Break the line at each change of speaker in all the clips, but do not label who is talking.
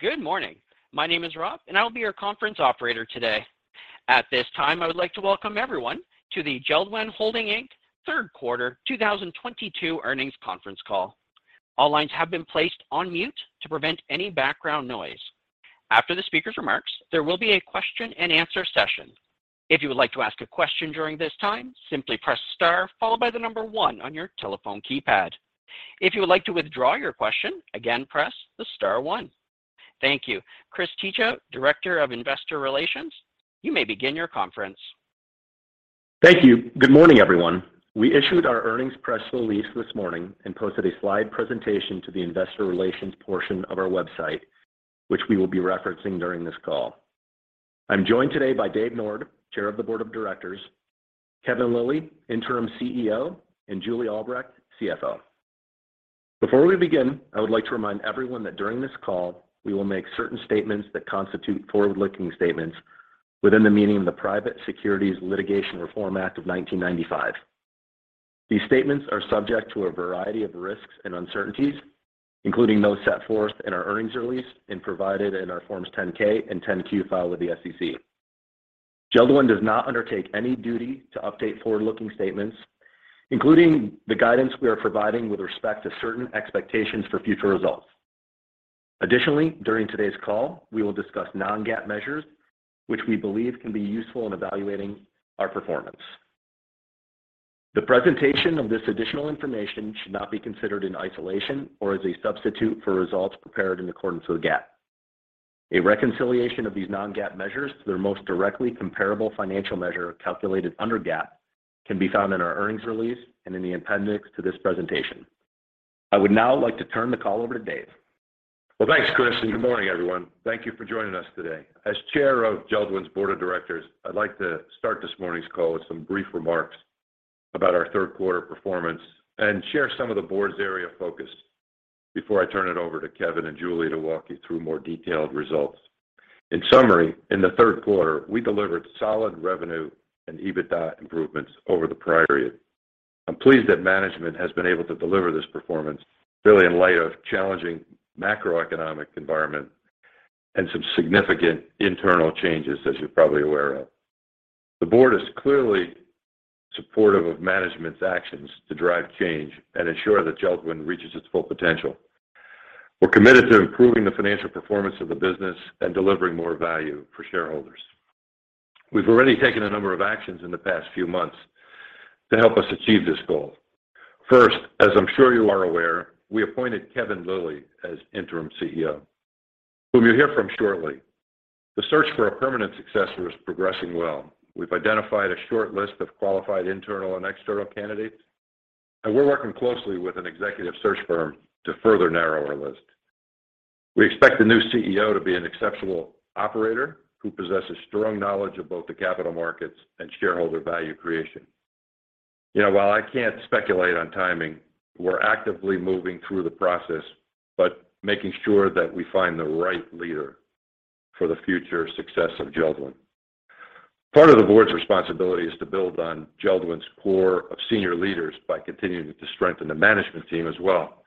Good morning. My name is Rob, and I will be your conference operator today. At this time, I would like to welcome everyone to the Jeld-Wen Holding, Inc. Third Quarter 2022 Earnings Conference Call. All lines have been placed on mute to prevent any background noise. After the speaker's remarks, there will be a question and answer session. If you would like to ask a question during this time, simply press star followed by the number one on your telephone keypad. If you would like to withdraw your question, again, press the star one. Thank you. Christopher Teachout, Director of Investor Relations, you may begin your conference.
Thank you. Good morning, everyone. We issued our earnings press release this morning and posted a slide presentation to the Investor Relations portion of our website, which we will be referencing during this call. I'm joined today by David Nord, Chair of the Board of Directors, Kevin Lilly, Interim CEO, and Julie Albrecht, CFO. Before we begin, I would like to remind everyone that during this call, we will make certain statements that constitute forward-looking statements within the meaning of the Private Securities Litigation Reform Act of 1995. These statements are subject to a variety of risks and uncertainties including those set forth in our earnings release and provided in our Forms 10-K and 10-Q filed with the SEC. JELD-WEN does not undertake any duty to update forward-looking statements including the guidance we are providing with respect to certain expectations for future results. Additionally, during today's call, we will discuss non-GAAP measures, which we believe can be useful in evaluating our performance. The presentation of this additional information should not be considered in isolation or as a substitute for results prepared in accordance with GAAP. A reconciliation of these non-GAAP measures to their most directly comparable financial measure calculated under GAAP can be found in our earnings release and in the appendix to this presentation. I would now like to turn the call over to Dave.
Well, thanks, Chris, and good morning, everyone. Thank you for joining us today. As Chair of Jeld-Wen's Board of Directors, I'd like to start this morning's call with some brief remarks about our third quarter performance and share some of the board's area of focus before I turn it over to Kevin and Julie to walk you through more detailed results. In summary, in the third quarter, we delivered solid revenue and EBITDA improvements over the prior year. I'm pleased that management has been able to deliver this performance really in light of challenging macroeconomic environment and some significant internal changes, as you're probably aware of. The board is clearly supportive of management's actions to drive change and ensure that Jeld-Wen reaches its full potential. We're committed to improving the financial performance of the business and delivering more value for shareholders. We've already taken a number of actions in the past few months to help us achieve this goal. First, as I'm sure you are aware, we appointed Kevin Lilly as Interim CEO whom you'll hear from shortly. The search for a permanent successor is progressing well. We've identified a short list of qualified internal and external candidates and we're working closely with an executive search firm to further narrow our list. We expect the new CEO to be an exceptional operator who possesses strong knowledge of both the capital markets and shareholder value creation. You know, while I can't speculate on timing, we're actively moving through the process, but making sure that we find the right leader for the future success of Jeld-Wen. Part of the board's responsibility is to build on Jeld-Wen's core of senior leaders by continuing to strengthen the management team as well.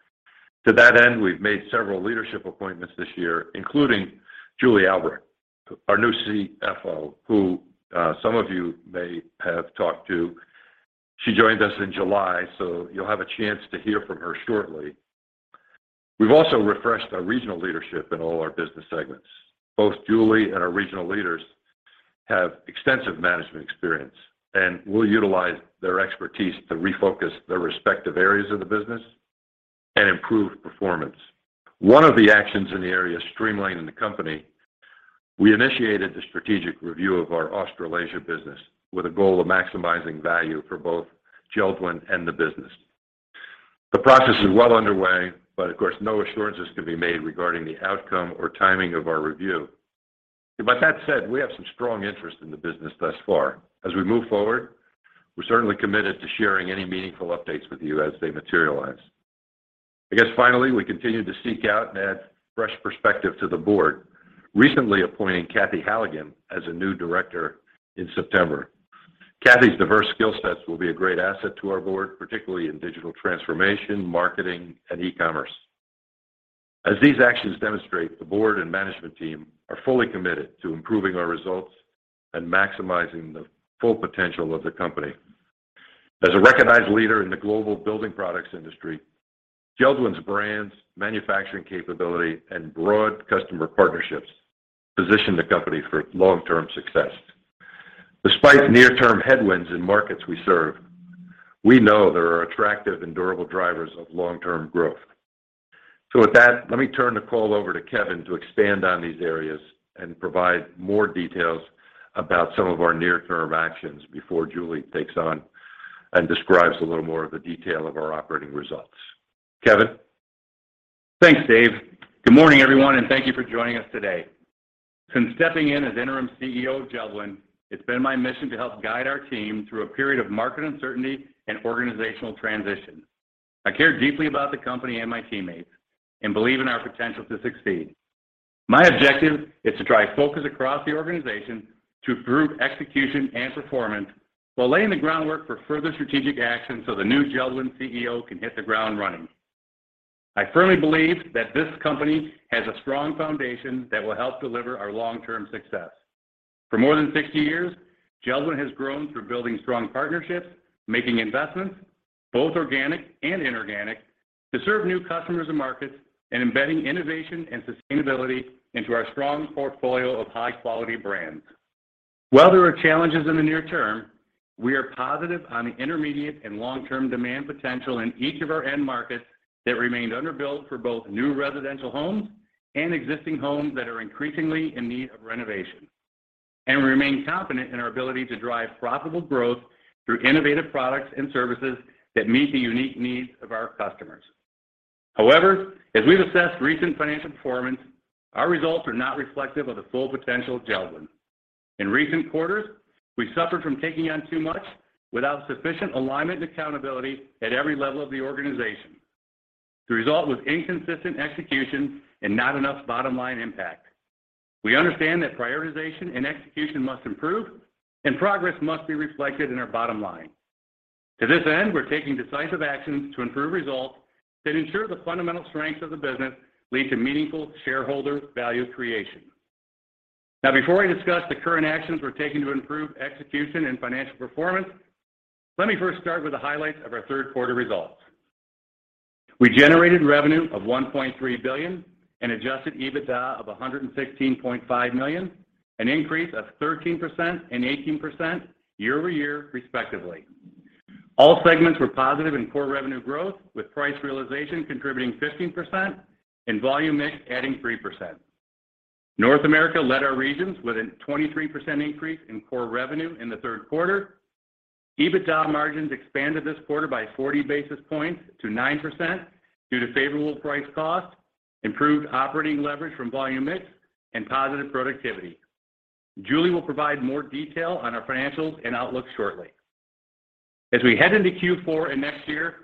To that end, we've made several leadership appointments this year, including Julie Albrecht, our new CFO who some of you may have talked to. She joined us in July, so you'll have a chance to hear from her shortly. We've also refreshed our regional leadership in all our business segments. Both Julie and our regional leaders have extensive management experience, and we'll utilize their expertise to refocus their respective areas of the business, and improve performance. One of the actions in the area streamlining the company, we initiated the strategic review of our Australasia business with a goal of maximizing value for both Jeld-Wen and the business. The process is well underway, but of course, no assurances can be made regarding the outcome or timing of our review. With that said, we have some strong interest in the business thus far. As we move forward, we're certainly committed to sharing any meaningful updates with you as they materialize. Finally, we continue to seek out and add fresh perspective to the board, recently appointing Kathy Halligan as a new director in September. Kathy's diverse skill sets will be a great asset to our board, particularly in digital transformation, marketing, and e-commerce. As these actions demonstrate, the board and management team are fully committed to improving our results and maximizing the full potential of the company. As a recognized leader in the global building products industry, JELD-WEN's brands, manufacturing capability, and broad customer partnerships position the company for its long-term success. Despite near-term headwinds in markets we serve, we know there are attractive and durable drivers of long-term growth. With that, let me turn the call over to Kevin to expand on these areas and provide more details about some of our near-term actions before Julie takes on and describes a little more of the detail of our operating results. Kevin?
Thanks, Dave. Good morning, everyone, and thank you for joining us today. Since stepping in as interim CEO of Jeld-Wen. It's been my mission to help guide our team through a period of market uncertainty and organizational transition. I care deeply about the company and my teammates and believe in our potential to succeed. My objective is to drive focus across the organization to improve execution and performance while laying the groundwork for further strategic action so the new JELD-WEN CEO can hit the ground running. I firmly believe that this company has a strong foundation that will help deliver our long-term success. For more than 60 years, JELD-WEN has grown through building strong partnerships, making investments, both organic and inorganic, to serve new customers and markets, and embedding innovation and sustainability into our strong portfolio of high-quality brands. While there are challenges in the near term, we are positive on the intermediate and long-term demand potential in each of our end markets that remained underbuilt for both new residential homes and existing homes that are increasingly in need of renovation. We remain confident in our ability to drive profitable growth through innovative products and services that meet the unique needs of our customers. However, as we've assessed recent financial performance, our results are not reflective of the full potential of Jeld-Wen. In recent quarters, we suffered from taking on too much without sufficient alignment and accountability at every level of the organization. The result was inconsistent execution and not enough bottom-line impact. We understand that prioritization and execution must improve, and progress must be reflected in our bottom line. To this end, we're taking decisive actions to improve results that ensure the fundamental strengths of the business lead to meaningful shareholder value creation. Now before I discuss the current actions we're taking to improve execution and financial performance, let me first start with the highlights of our third quarter results. We generated revenue of $1.3 billion and adjusted EBITDA of $116.5 million, an increase of 13% and 18% year-over-year, respectively. All segments were positive in core revenue growth with price realization contributing 15% and volume mix adding 3%. North America led our regions with a 23% increase in core revenue in the third quarter. EBITDA margins expanded this quarter by 40 basis points to 9% due to favorable price cost, improved operating leverage from volume mix, and positive productivity. Julie will provide more detail on our financials and outlook shortly. As we head into Q4 and next year,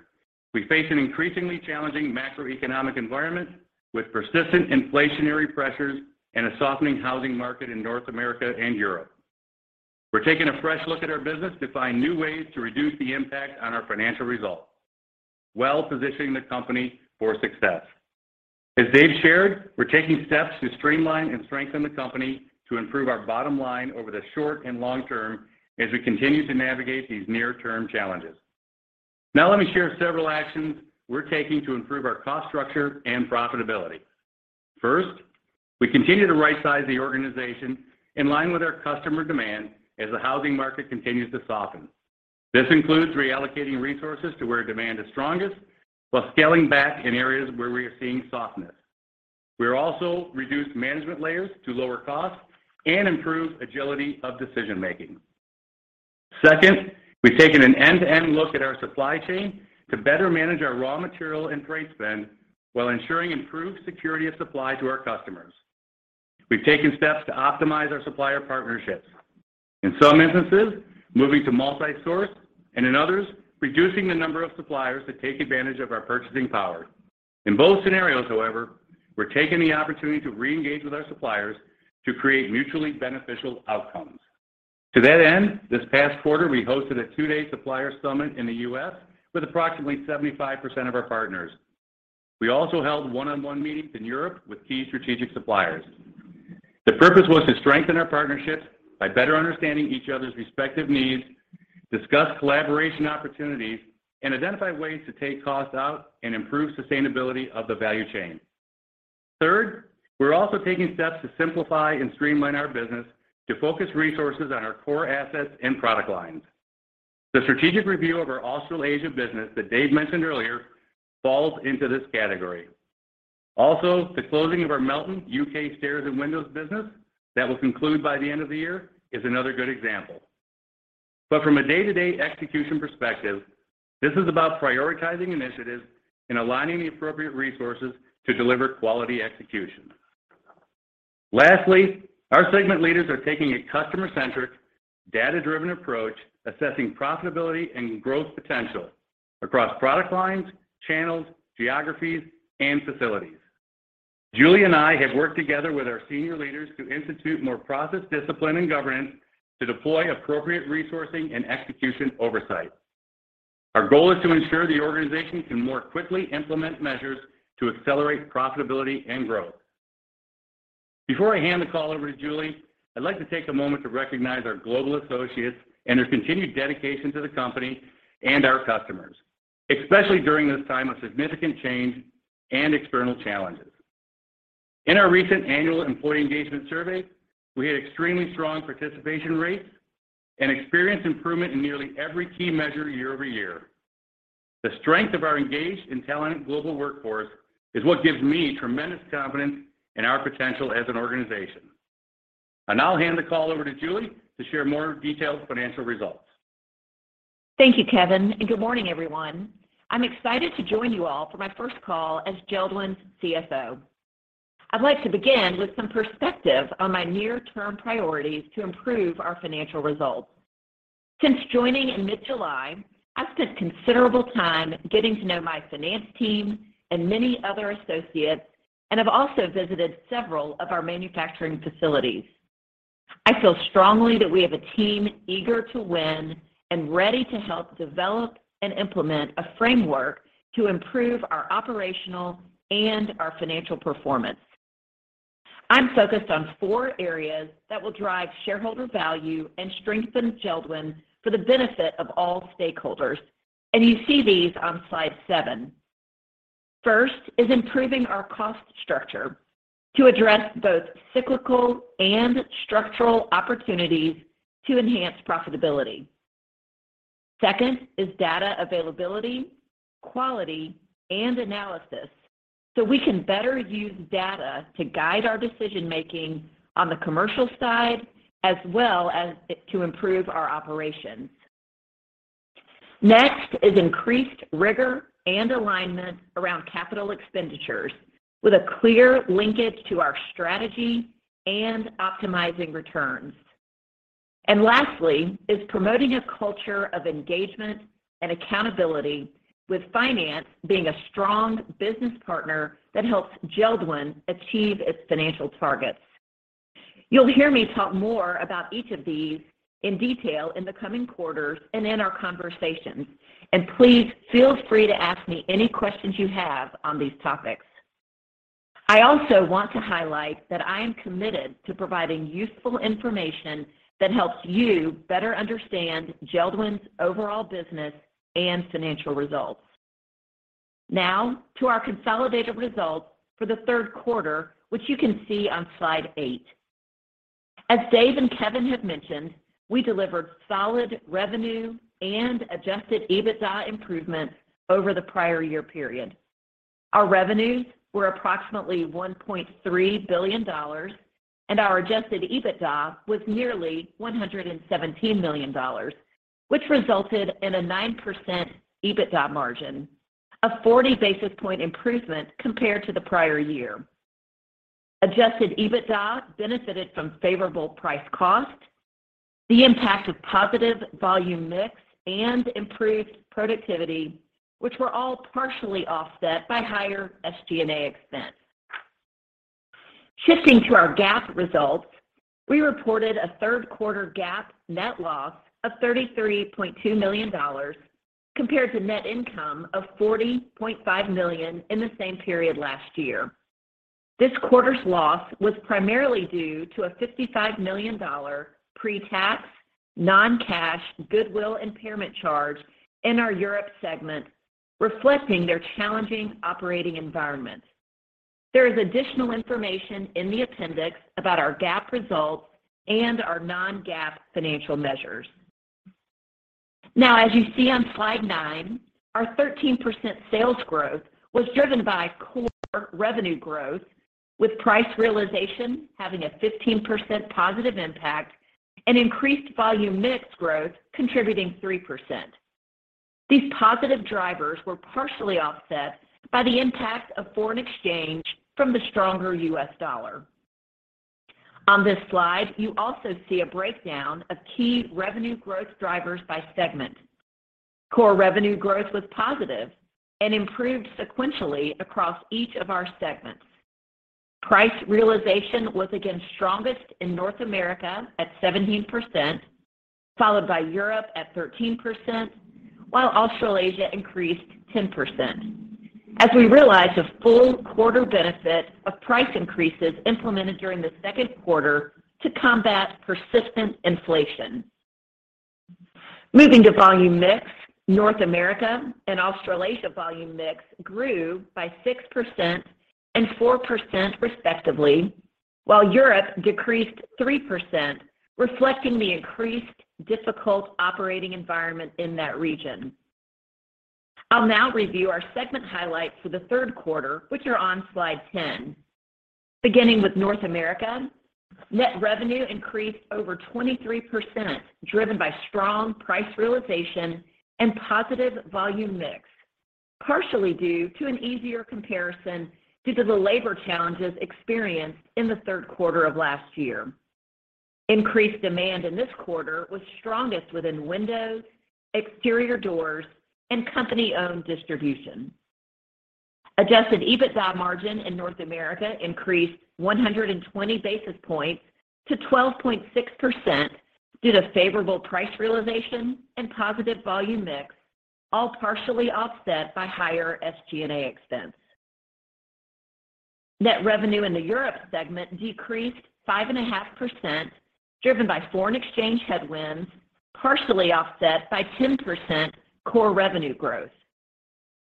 we're facing an increasingly challenging macroeconomic environment with persistent inflationary pressures and a softening housing market in North America and Europe. We're taking a fresh look at our business to find new ways to reduce the impact on our financial results while positioning the company for success. As Dave shared, we're taking steps to streamline and strengthen the company to improve our bottom line over the short and long term as we continue to navigate these near-term challenges. Now let me share several actions we're taking to improve our cost structure and profitability. First, we continue to right-size the organization in line with our customer demand as the housing market continues to soften. This includes reallocating resources to where demand is strongest while scaling back in areas where we are seeing softness. We have also reduced management layers to lower costs and improve agility of decision-making. Second, we've taken an end-to-end look at our supply chain to better manage our raw material and freight spend while ensuring improved security of supply to our customers. We've taken steps to optimize our supplier partnerships, in some instances, moving to multi-source, and in others, reducing the number of suppliers to take advantage of our purchasing power. In both scenarios, however, we're taking the opportunity to reengage with our suppliers to create mutually beneficial outcomes. To that end, this past quarter, we hosted a two-day supplier summit in the U.S. with approximately 75% of our partners. We also held one-on-one meetings in Europe with key strategic suppliers. The purpose was to strengthen our partnerships by better understanding each other's respective needs, discuss collaboration opportunities, and identify ways to take costs out and improve sustainability of the value chain. Third, we're also taking steps to simplify and streamline our business to focus resources on our core assets and product lines. The strategic review of our Australasia business that Dave mentioned earlier falls into this category. Also, the closing of our Milton, U.K. stairs and windows business that will conclude by the end of the year is another good example. From a day-to-day execution perspective, this is about prioritizing initiatives and aligning the appropriate resources to deliver quality execution. Lastly, our segment leaders are taking a customer-centric, data-driven approach, assessing profitability and growth potential across product lines, channels, geographies, and facilities. Julie and I have worked together with our senior leaders to institute more process discipline and governance to deploy appropriate resourcing and execution oversight. Our goal is to ensure the organization can more quickly implement measures to accelerate profitability and growth. Before I hand the call over to Julie, I'd like to take a moment to recognize our global associates and their continued dedication to the company and our customers, especially during this time of significant change and external challenges. In our recent annual employee engagement survey, we had extremely strong participation rates and experienced improvement in nearly every key measure year-over-year. The strength of our engaged and talented global workforce is what gives me tremendous confidence in our potential as an organization. I'll now hand the call over to Julie to share more detailed financial results.
Thank you, Kevin, and good morning, everyone. I'm excited to join you all for my first call as Jeld-Wen's CFO. I'd like to begin with some perspective on my near-term priorities to improve our financial results. Since joining in mid-July, I've spent considerable time getting to know my finance team, and many other associates, and have also visited several of our manufacturing facilities. I feel strongly that we have a team eager to win and ready to help develop and implement a framework to improve our operational and our financial performance. I'm focused on four areas that will drive shareholder value and strengthen Jeld-Wen for the benefit of all stakeholders and you see these on slide seven. First is improving our cost structure to address both cyclical and structural opportunities to enhance profitability. Second is data availability, quality, and analysis, so we can better use data to guide our decision-making on the commercial side as well as to improve our operations. Next is increased rigor and alignment around capital expenditures with a clear linkage to our strategy and optimizing returns. Lastly is promoting a culture of engagement and accountability with finance being a strong business partner that helps Jeld-Wen achieve its financial targets. You'll hear me talk more about each of these in detail in the coming quarters and in our conversations and please feel free to ask me any questions you have on these topics. I also want to highlight that I am committed to providing useful information that helps you better understand Jeld-Wen's overall business and financial results. Now to our consolidated results for the third quarter, which you can see on slide eight. As Dave and Kevin have mentioned, we delivered solid revenue and adjusted EBITDA improvements over the prior year period. Our revenues were approximately $1.3 billion and our adjusted EBITDA was nearly $117 million, which resulted in a 9% EBITDA margin, a 40 basis point improvement compared to the prior year. Adjusted EBITDA benefited from favorable price cost, the impact of positive volume mix, and improved productivity, which were all partially offset by higher SG&A expense. Shifting to our GAAP results, we reported a third quarter GAAP net loss of $33.2 million compared to net income of $40.5 million in the same period last year. This quarter's loss was primarily due to a $55 million pre-tax non-cash goodwill impairment charge in our Europe segment reflecting their challenging operating environment. There is additional information in the appendix about our GAAP results and our non-GAAP financial measures. Now, as you see on slide nine, our 13% sales growth was driven by core revenue growth with price realization having a 15% positive impact and increased volume mix growth contributing 3%. These positive drivers were partially offset by the impact of foreign exchange from the stronger U.S. dollar. On this slide, you also see a breakdown of key revenue growth drivers by segment. Core revenue growth was positive and improved sequentially across each of our segments. Price realization was again strongest in North America at 17%, followed by Europe at 13%, while Australasia increased 10%. As we realized the full-quarter benefit of price increases implemented during the second quarter to combat persistent inflation. Moving to volume mix, North America and Australasia volume mix grew by 6% and 4% respectively while Europe decreased 3% reflecting the increasingly difficult operating environment in that region. I'll now review our segment highlights for the third quarter, which are on slide 10. Beginning with North America, net revenue increased over 23%, driven by strong price realization and positive volume mix partially due to an easier comparison due to the labor challenges experienced in the third quarter of last year. Increased demand in this quarter was strongest within windows, exterior doors, and company-owned distribution. Adjusted EBITDA margin in North America increased 120 basis points to 12.6% due to favorable price realization and positive volume mix, all partially offset by higher SG&A expense. Net revenue in the Europe segment decreased 5.5% driven by foreign exchange headwinds partially offset by 10% core revenue growth.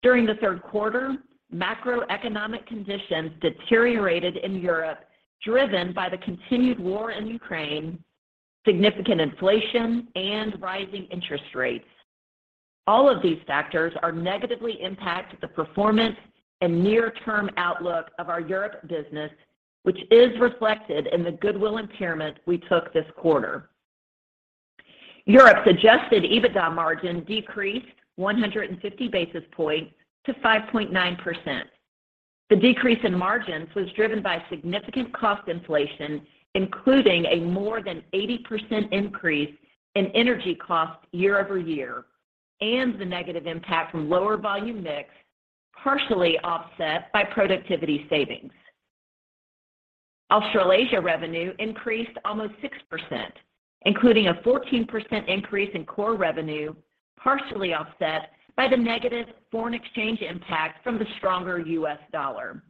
During the third quarter, macroeconomic conditions deteriorated in Europe driven by the continued war in Ukraine, significant inflation, and rising interest rates. All of these factors are negatively impacting the performance and near-term outlook of our Europe business, which is reflected in the goodwill impairment we took this quarter. Europe's adjusted EBITDA margin decreased 150 basis points to 5.9%. The decrease in margins was driven by significant cost inflation including a more than 80% increase in energy costs year-over-year and the negative impact from lower volume mix partially offset by productivity savings. Australasia revenue increased almost 6% including a 14% increase in core revenue, partially offset by the negative foreign exchange impact from the stronger U.S. Dollar.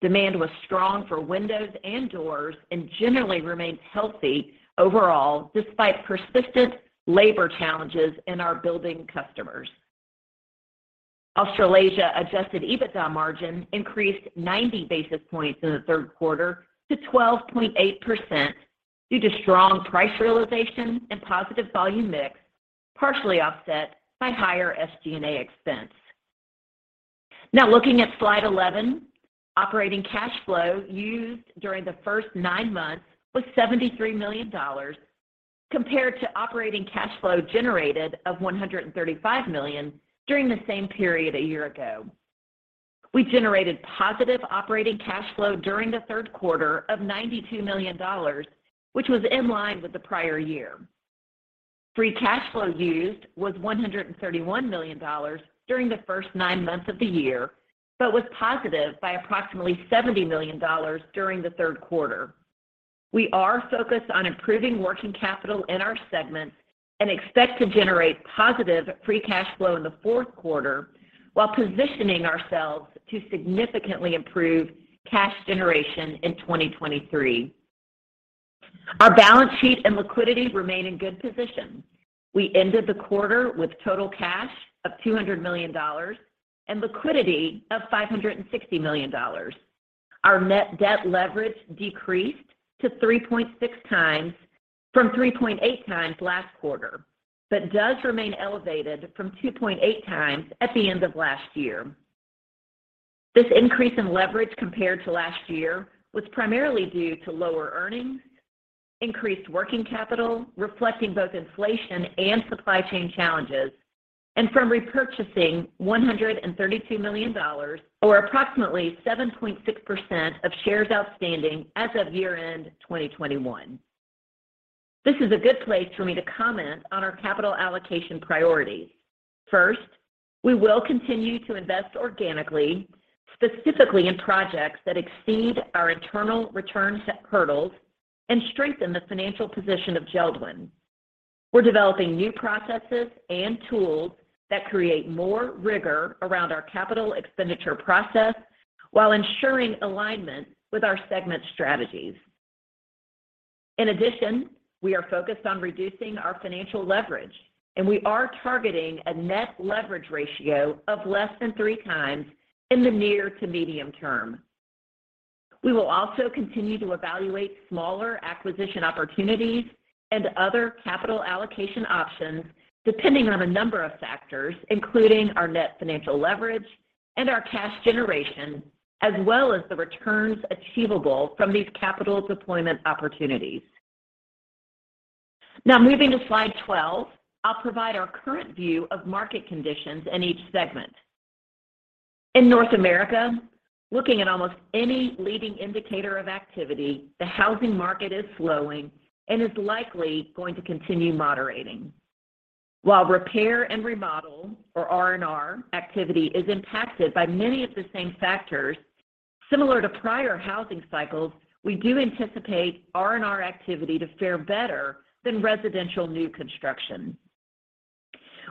Demand was strong for windows and doors and generally remained healthy overall despite persistent labor challenges in our building customers. Australasia adjusted EBITDA margin increased 90 basis points in the third quarter to 12.8% due to strong price realization and positive volume mix partially offset by higher SG&A expense. Now looking at slide 11, operating cash flow used during the first nine months was $73 million compared to operating cash flow generated of $135 million during the same period a year ago. We generated positive operating cash flow during the third quarter of $92 million, which was in line with the prior year. Free cash flow used was $131 million during the first nine months of the year but was positive by approximately $70 million during the third quarter. We are focused on improving working capital in our segments and expect to generate positive free cash flow in the fourth quarter while positioning ourselves to significantly improve cash generation in 2023. Our balance sheet and liquidity remain in good position. We ended the quarter with total cash of $200 million and liquidity of $560 million. Our net debt leverage decreased to 3.6x from 3.8x last quarter, but does remain elevated from 2.8x at the end of last year. This increase in leverage compared to last year was primarily due to lower earnings, increased working capital reflecting both inflation and supply chain challenges, and from repurchasing $132 million, or approximately 7.6% of shares outstanding as of year-end 2021. This is a good place for me to comment on our capital allocation priorities. First, we will continue to invest organically specifically in projects that exceed our internal return set hurdles and strengthen the financial position of Jeld-Wen. We're developing new processes and tools that create more rigor around our capital expenditure process while ensuring alignment with our segment strategies. In addition, we are focused on reducing our financial leverage and we are targeting a net leverage ratio of less than 3x in the near to medium term. We will also continue to evaluate smaller acquisition opportunities and other capital allocation options depending on a number of factors including our net financial leverage and our cash generation as well as the returns achievable from these capital deployment opportunities. Now moving to slide 12, I'll provide our current view of market conditions in each segment. In North America, looking at almost any leading indicator of activity, the housing market is slowing and is likely going to continue moderating. While repair and remodel or R&R activity is impacted by many of the same factors. Similar to prior housing cycles, we do anticipate R&R activity to fare better than residential new construction.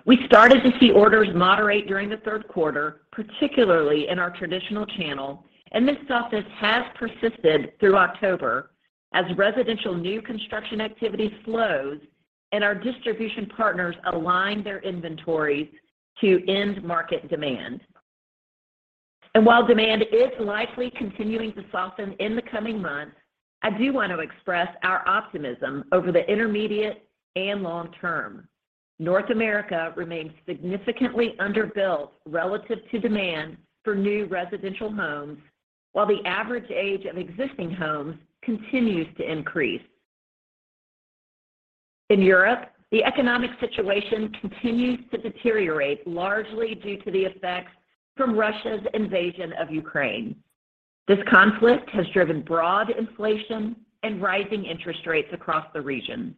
We started to see orders moderate during the third quarter particularly in our traditional channel and this softness has persisted through October as residential new construction activity slows and our distribution partners align their inventories to end market demand. While demand is likely continuing to soften in the coming months, I do want to express our optimism over the intermediate and long term. North America remains significantly underbuilt relative to demand for new residential homes, while the average age of existing homes continues to increase. In Europe, the economic situation continues to deteriorate largely due to the effects from Russia's invasion of Ukraine. This conflict has driven broad inflation and rising interest rates across the region.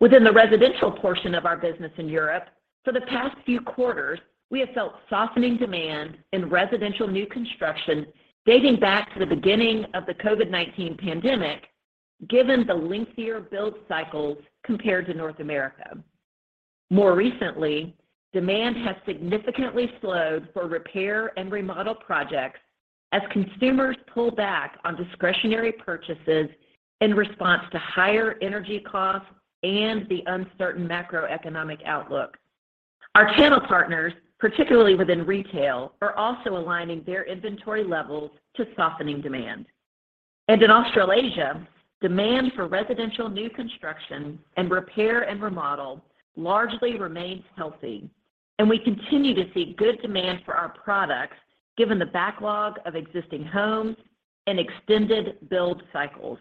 Within the residential portion of our business in Europe, for the past few quarters, we have felt softening demand in residential new construction dating back to the beginning of the COVID-19 pandemic given the lengthier build cycles compared to North America. More recently, demand has significantly slowed for repair and remodel projects as consumers pull back on discretionary purchases in response to higher energy costs and the uncertain macroeconomic outlook. Our channel partners, particularly within retail, are also aligning their inventory levels to softening demand. In Australasia, demand for residential new construction and repair and remodel largely remains healthy and we continue to see good demand for our products given the backlog of existing homes and extended build cycles.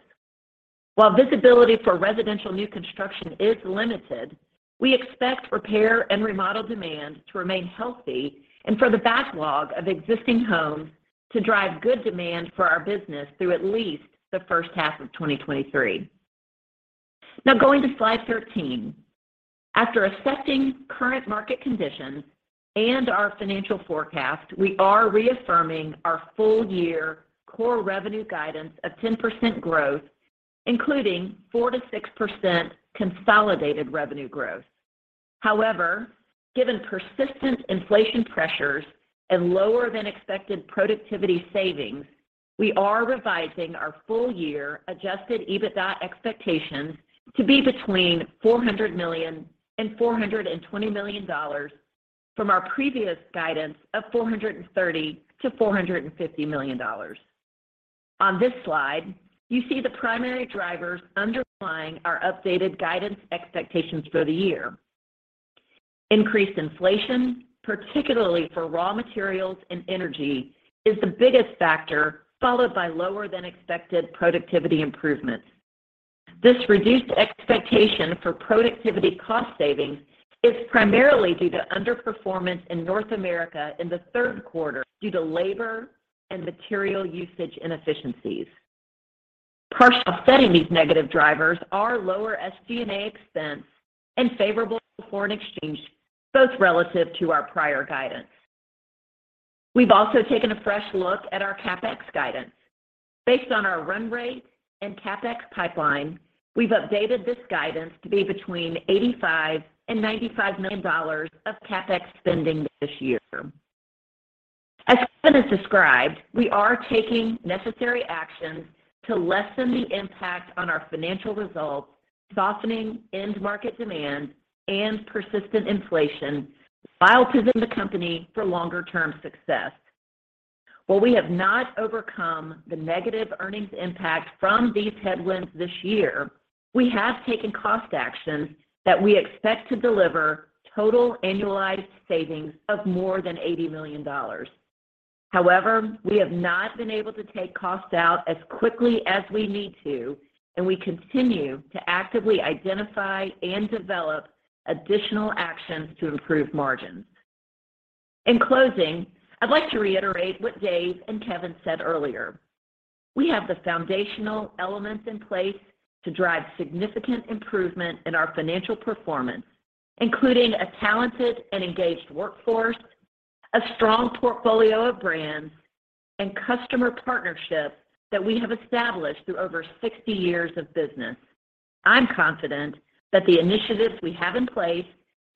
While visibility for residential new construction is limited, we expect repair and remodel demand to remain healthy and for the backlog of existing homes to drive good demand for our business through at least the first half of 2023. Now going to slide 13. After assessing current market conditions and our financial forecast, we are reaffirming our full-year core revenue guidance of 10% growth, including 4% to 6% consolidated revenue growth. However, given persistent inflation pressures and lower than expected productivity savings, we are revising our full-year adjusted EBITDA expectations to be between $400 million and $420 million from our previous guidance of $430 million to $450 million. On this slide, you see the primary drivers underlying our updated guidance expectations for the year. Increased inflation, particularly for raw materials and energy, is the biggest factor, followed by lower than expected productivity improvements. This reduced expectation for productivity cost savings is primarily due to underperformance in North America in the third quarter due to labor and material usage inefficiencies. Partially offsetting these negative drivers are lower SG&A expense and favorable foreign exchange, both relative to our prior guidance. We've also taken a fresh look at our CapEx guidance. Based on our run rate and CapEx pipeline, we've updated this guidance to be between $85 million and $95 million of CapEx spending this year. As Kevin has described, we are taking necessary actions to lessen the impact on our financial results, softening end market demand and persistent inflation while positioning the company for longer term success. While we have not overcome the negative earnings impact from these headwinds this year, we have taken cost actions that we expect to deliver total annualized savings of more than $80 million. However, we have not been able to take costs out as quickly as we need to and we continue to actively identify and develop additional actions to improve margins. In closing, I'd like to reiterate what Dave and Kevin said earlier. We have the foundational elements in place to drive significant improvement in our financial performance including a talented and engaged workforce, a strong portfolio of brands and customer partnerships that we have established through over 60 years of business. I'm confident that the initiatives we have in place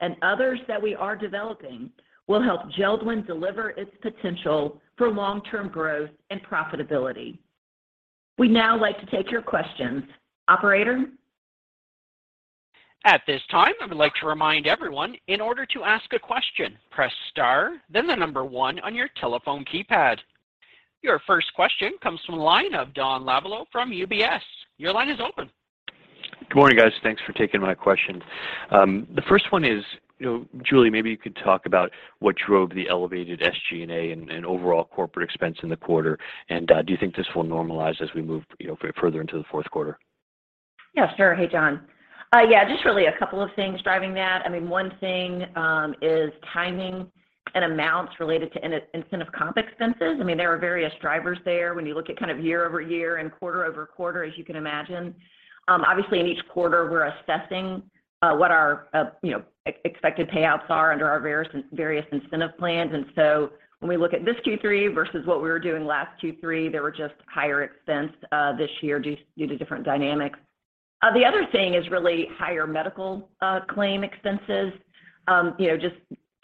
and others that we are developing will help Jeld-Wen deliver its potential for long-term growth and profitability. We'd now like to take your questions. Operator?
At this time, I would like to remind everyone, in order to ask a question, press star then the number one on your telephone keypad. Your first question comes from the line of John Lovallo from UBS. Your line is open.
Good morning, guys. Thanks for taking my question. The first one is, you know, Julie, maybe you could talk about what drove the elevated SG&A and overall corporate expense in the quarter. Do you think this will normalize as we move, you know, further into the fourth quarter?
Yeah, sure. Hey, John. Yeah, just really a couple of things driving that. I mean, one thing is timing and amounts related to incentive comp expenses. I mean, there are various drivers there when you look at kind of year-over-year and quarter-over-quarter, as you can imagine. Obviously in each quarter, we're assessing what our you know expected payouts are under our various incentive plans. When we look at this Q3 versus what we were doing last Q3, there were just higher expense this year due to different dynamics. The other thing is really higher medical claim expenses, you know, just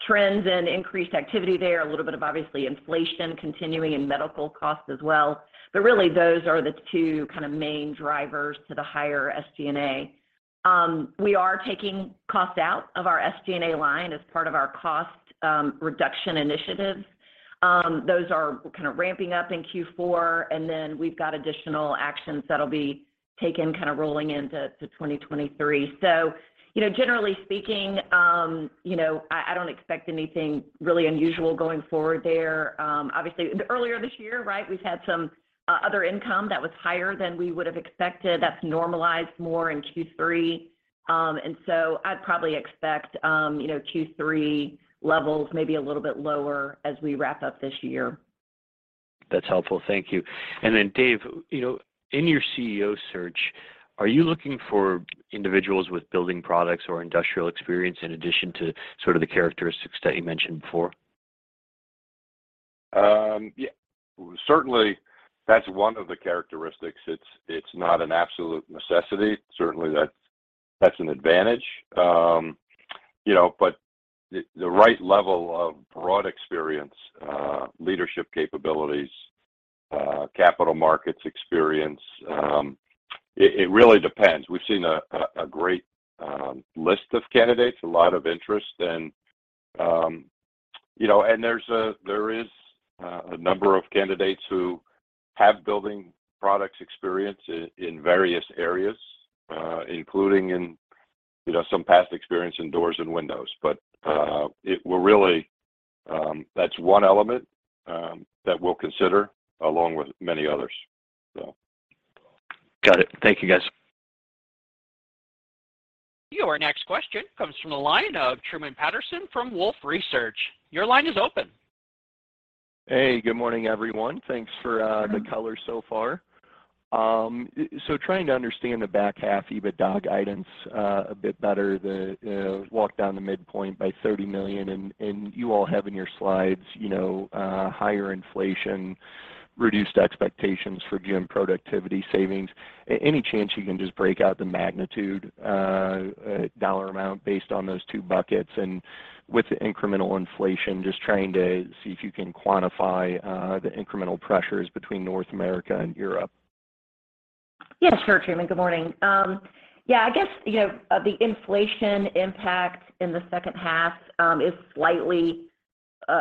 trends and increased activity there, a little bit of obviously inflation continuing in medical costs as well but, really, those are the two kind of main drivers to the higher SG&A. We are taking costs out of our SG&A line as part of our cost reduction initiatives. Those are kind of ramping up in Q4 and then we've got additional actions that'll be taken kind of rolling into 2023. Generally speaking, you know, I don't expect anything really unusual going forward there. Obviously earlier this year, right, we've had some other income that was higher than we would have expected. That's normalized more in Q3 and so I'd probably expect, you know, Q3 levels maybe a little bit lower as we wrap up this year.
That's helpful. Thank you. Dave, you know, in your CEO search, are you looking for individuals with building products or industrial experience in addition to sort of the characteristics that you mentioned before?
Yeah. Certainly, that's one of the characteristics. It's not an absolute necessity. Certainly that's an advantage, you know, but the right level of broad experience, leadership capabilities, capital markets experience, it really depends. We've seen a great list of candidates, a lot of interest and, you know, and there is a number of candidates who have building products experience in various areas including in, you know, some past experience in doors and windows. That's one element that we'll consider along with many others.
Got it. Thank you, guys.
Your next question comes from the line of Truman Patterson from Wolfe Research. Your line is open.
Hey, good morning, everyone. Thanks for the color so far. Trying to understand the back half EBITDA guidance a bit better, the walk down the midpoint by $30 million, and you all have in your slides, you know, higher inflation, reduced expectations for GM productivity savings. Any chance you can just break out the magnitude dollar amount based on those two buckets? With the incremental inflation, just trying to see if you can quantify the incremental pressures between North America and Europe.
Yes, sure, Truman, good morning. Yeah, you know, the inflation impact in the second half is slightly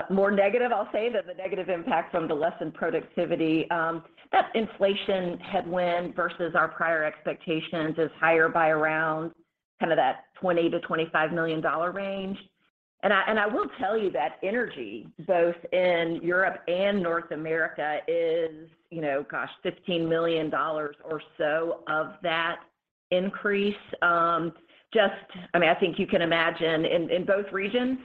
more negative, I'll say, than the negative impact from the lessened productivity. That inflation headwind versus our prior expectations is higher by around kind of that $20 million to $25 million range. I will tell you that energy, both in Europe and North America is, you know, gosh, $15 million or so of that increase. I mean, I think you can imagine in both regions,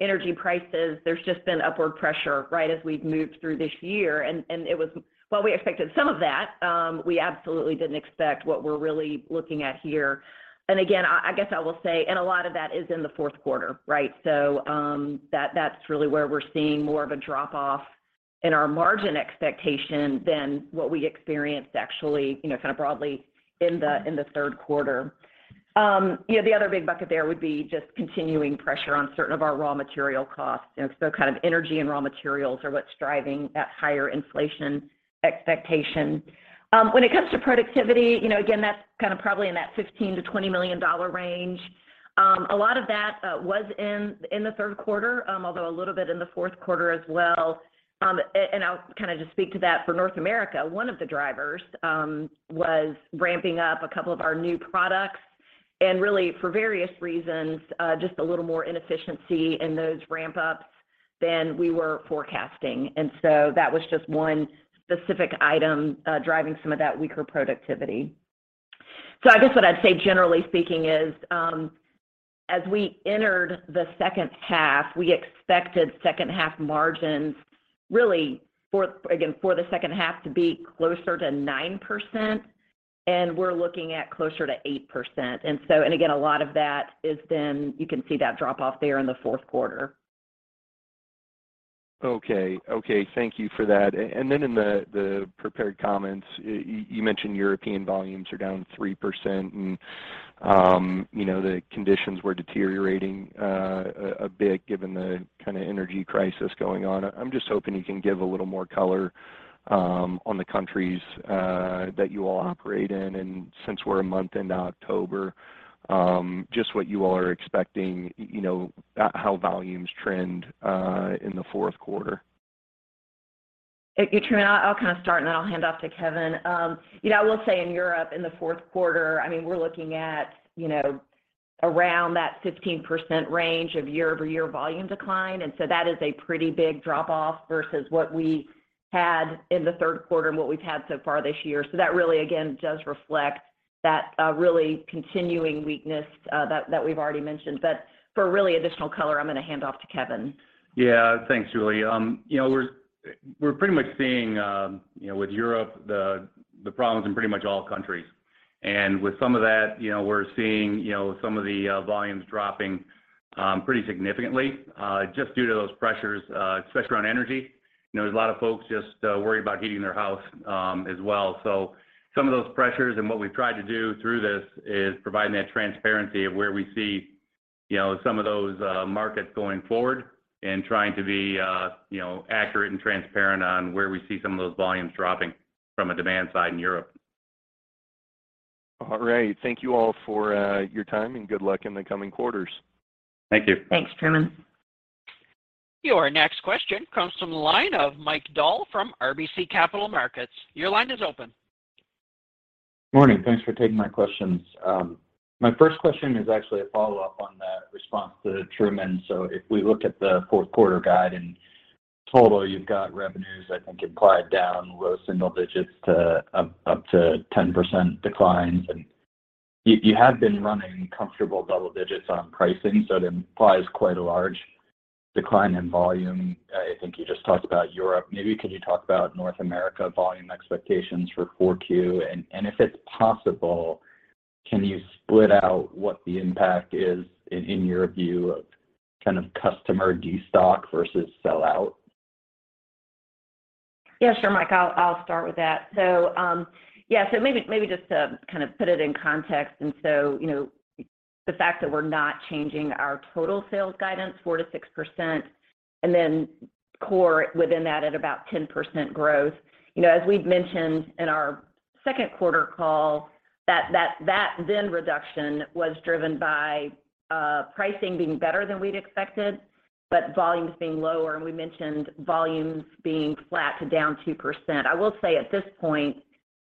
energy prices, there's just been upward pressure right as we've moved through this year and it was. While we expected some of that, we absolutely didn't expect what we're really looking at here. Again, I will say, a lot of that is in the fourth quarter, right? That's really where we're seeing more of a drop-off in our margin expectation than what we experienced actually, you know, kind of broadly in the third quarter. The other big bucket there would be just continuing pressure on certain of our raw material costs, you know, kind of energy and raw materials are what's driving that higher inflation expectation. When it comes to productivity, you know, again, that's kind of probably in that $15 million to $20 million range. A lot of that was in the third quarter, although a little bit in the fourth quarter as well, and I'll kind of just speak to that for North America. One of the drivers was ramping up a couple of our new products and really for various reasons, just a little more inefficiency in those ramp-ups than we were forecasting. That was just one specific item driving some of that weaker productivity. What I'd say generally speaking is, as we entered the second half, we expected second half margins really for, again, for the second half to be closer to 9%, and we're looking at closer to 8%. Again, a lot of that is then you can see that drop-off there in the fourth quarter.
Okay. Thank you for that. Then in the prepared comments, you mentioned European volumes are down 3% and, you know, the conditions were deteriorating a bit given the kind of energy crisis going on. I'm just hoping you can give a little more color on the countries that you all operate in, and since we're a month into October, just what you all are expecting, you know, how volumes trend in the fourth quarter.
Truman, I'll kind of start and then I'll hand off to Kevin. You know, I will say in Europe in the fourth quarter, I mean, we're looking at, you know, around that 15% range of year-over-year volume decline. That is a pretty big drop-off versus what we had in the third quarter and what we've had so far this year. That really, again, does reflect that really continuing weakness, that we've already mentioned. For really additional color, I'm going to hand off to Kevin.
Yeah. Thanks, Julie. We're pretty much seeing, you know, with Europe, the problems in pretty much all countries. With some of that, you know, we're seeing, you know, some of the volumes dropping pretty significantly just due to those pressures especially around energy, you know, there's a lot of folks just worried about heating their house as well. Some of those pressures and what we've tried to do through this is providing that transparency of where we see, you know, some of those markets going forward and trying to be, you know, accurate and transparent on where we see some of those volumes dropping from a demand side in Europe.
All right. Thank you all for your time and good luck in the coming quarters.
Thank you.
Thanks, Truman.
Your next question comes from the line of Mike Dahl from RBC Capital Markets. Your line is open.
Morning. Thanks for taking my questions. My first question is actually a follow-up on the response to Truman. If we look at the fourth quarter guide, in total you've got revenues, I think, implied down low-single digits to up to 10% declines. You have been running comfortable double-digits on pricing, so it implies quite a large decline in volume. I think you just talked about Europe. Maybe could you talk about North America volume expectations for Q4? If it's possible, can you split out what the impact is, in your view, of kind of customer destock versus sell out?
Yeah, sure, Mike. I'll start with that. Yeah, maybe just to kind of put it in context and so, you know, the fact that we're not changing our total sales guidance 4% to 6%, and then core within that at about 10% growth. As we've mentioned in our second quarter call that then reduction was driven by pricing being better than we'd expected but volumes being lower. We mentioned volumes being flat to down 2%. I will say at this point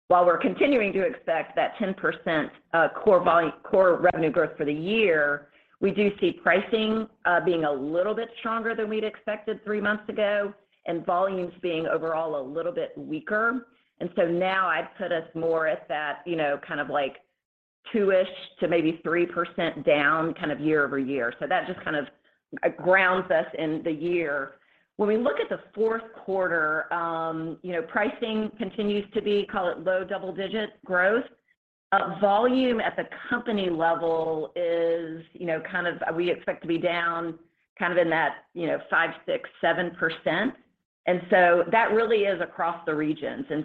while we're continuing to expect that 10% core revenue growth for the year, we do see pricing being a little bit stronger than we'd expected three months ago, and volumes being overall a little bit weaker. Now I'd put us more at that, you know, kind of like 2%-ish to maybe 3% down kind of year-over-year. That just kind of grounds us in the year. When we look at the fourth quarter, you know, pricing continues to be, call it low double-digit growth. Volume at the company level is, you know, kind of we expect to be down kind of in that, you know, 5%, 6%, 7%. That really is across the regions. You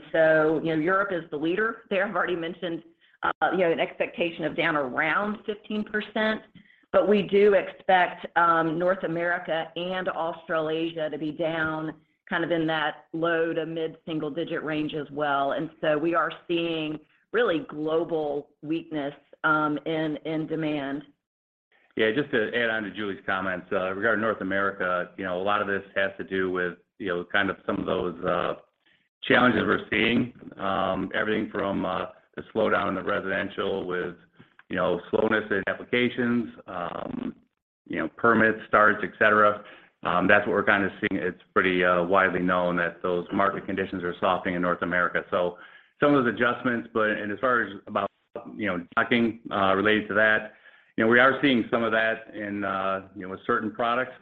know, Europe is the leader there. I've already mentioned, you know, an expectation of down around 15%, but we do expect, North America and Australasia to be down kind of in that low-to-mid single digit range as well. We are seeing really global weakness in demand.
Yeah, just to add on to Julie's comments, regarding North America, you know, a lot of this has to do with, you know, kind of some of those challenges we're seeing, everything from the slowdown in the residential with, you know, slowness in applications, you know, permits, starts, et cetera. That's what we're kind of seeing. It's pretty widely known that those market conditions are softening in North America. Some of those adjustments and as far as about stocking related to that, you know, we are seeing some of that in, you know, with certain products.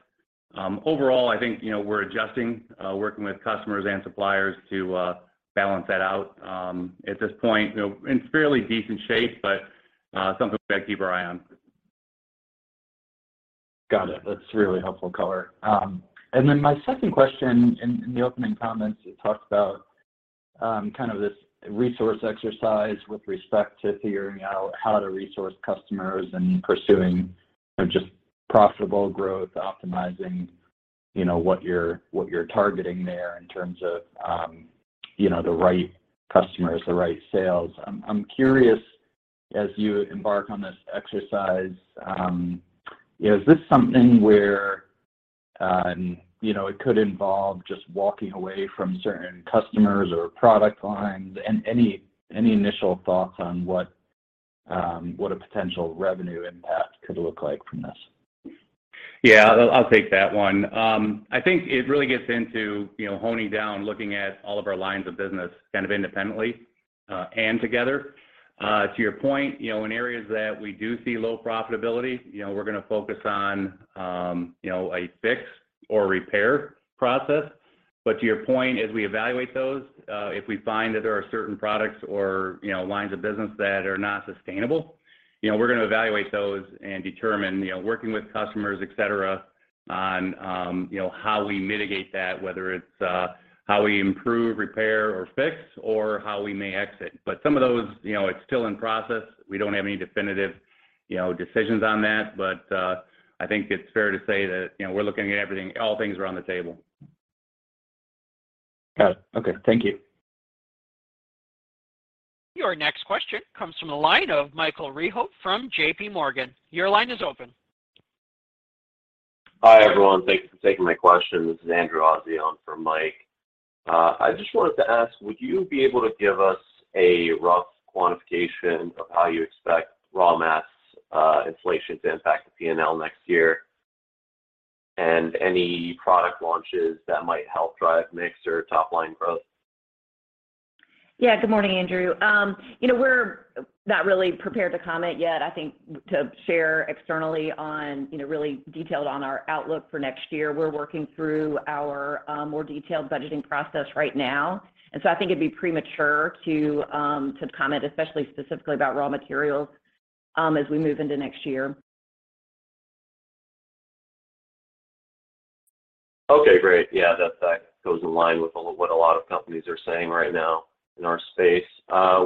Overall, I think, you know, we're adjusting, working with customers and suppliers to balance that out, at this point, you know, in fairly decent shape, but something we've got to keep our eye on.
Got it. That's really helpful color. My second question, in the opening comments, you talked about kind of this resource exercise with respect to figuring out how to resource customers and pursuing, you know, just profitable growth, optimizing, you know, what you're targeting there in terms of, you know, the right customers, the right sales. I'm curious, as you embark on this exercise, you know, is this something where, you know, it could involve just walking away from certain customers or product lines? Any initial thoughts on what a potential revenue impact could look like from this?
Yeah, I'll take that one. I think it really gets into, you know, honing down, and looking at all of our lines of business kind of independently, and together. To your point, you know, in areas that we do see low profitability, you know, we're going to focus on, you know, a fix or repair process. To your point, as we evaluate those, if we find that there are certain products or, you know, lines of business that are not sustainable, you know, we're going to evaluate those and determine, you know, working with customers, et cetera, on, you know, how we mitigate that, whether it's, how we improve, repair, or fix, or how we may exit. Some of those, you know, it's still in process. We don't have any definitive, you know, decisions on that. I think it's fair to say that, you know, we're looking at everything, all things are on the table.
Got it. Okay. Thank you.
Your next question comes from the line of Michael Rehaut from JP Morgan. Your line is open.
Hi, everyone. Thanks for taking my question. This is Andrew Azzi on for Mike. I just wanted to ask, would you be able to give us a rough quantification of how you expect raw materials inflation to impact the P&L next year and any product launches that might help drive mix or top-line growth?
Yeah. Good morning, Andrew. You know, we're not really prepared to comment yet, and I think to share externally on, you know, really detailed on our outlook for next year. We're working through our more detailed budgeting process right now and so I think it'd be premature to comment, especially specifically about raw materials as we move into next year.
Okay. Great. Yeah. That goes in line with what a lot of companies are saying right now in our space.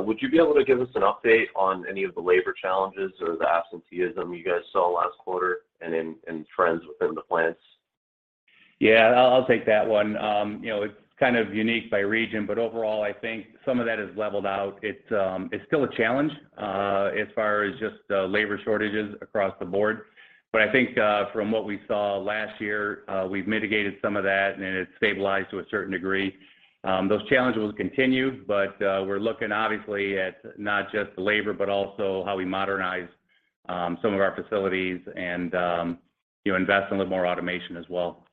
Would you be able to give us an update on any of the labor challenges or the absenteeism you guys saw last quarter and in trends within the plants?
Yeah. I'll take that one. IT's kind of unique by region, but overall, I think some of that has leveled out. It's still a challenge, as far as just labor shortages across the board. I think, from what we saw last year, we've mitigated some of that and it's stabilized to a certain degree. Those challenges will continue but we're looking obviously at not just the labor, but also how we modernize some of our facilities and, you know, invest in a little more automation as well.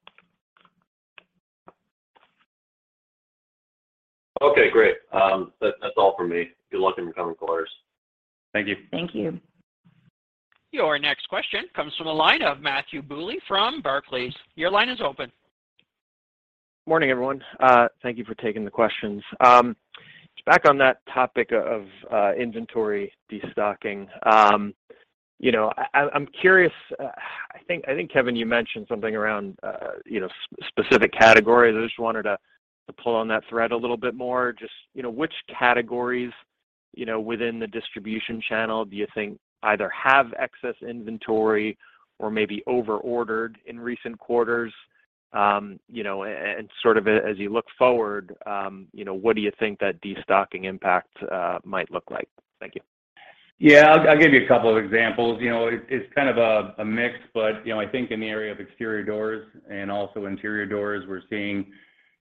Okay. Great. That's all for me. Good luck in the coming quarters.
Thank you.
Thank you.
Your next question comes from the line of Matthew Bouley from Barclays. Your line is open.
Morning, everyone. Thank you for taking the questions. Back on that topic of inventory destocking, you know, I'm curious. I think, Kevin, you mentioned something around, you know, specific categories. I just wanted to pull on that thread a little bit more, just, you know, which categories, you know, within the distribution channel do you think either have excess inventory or maybe over ordered in recent quarters? And sort of as you look forward, you know, what do you think that destocking impact might look like? Thank you.
I'll give you a couple of examples. You know, it's kind of a mix, but you know, I think in the area of exterior doors and also interior doors, we're seeing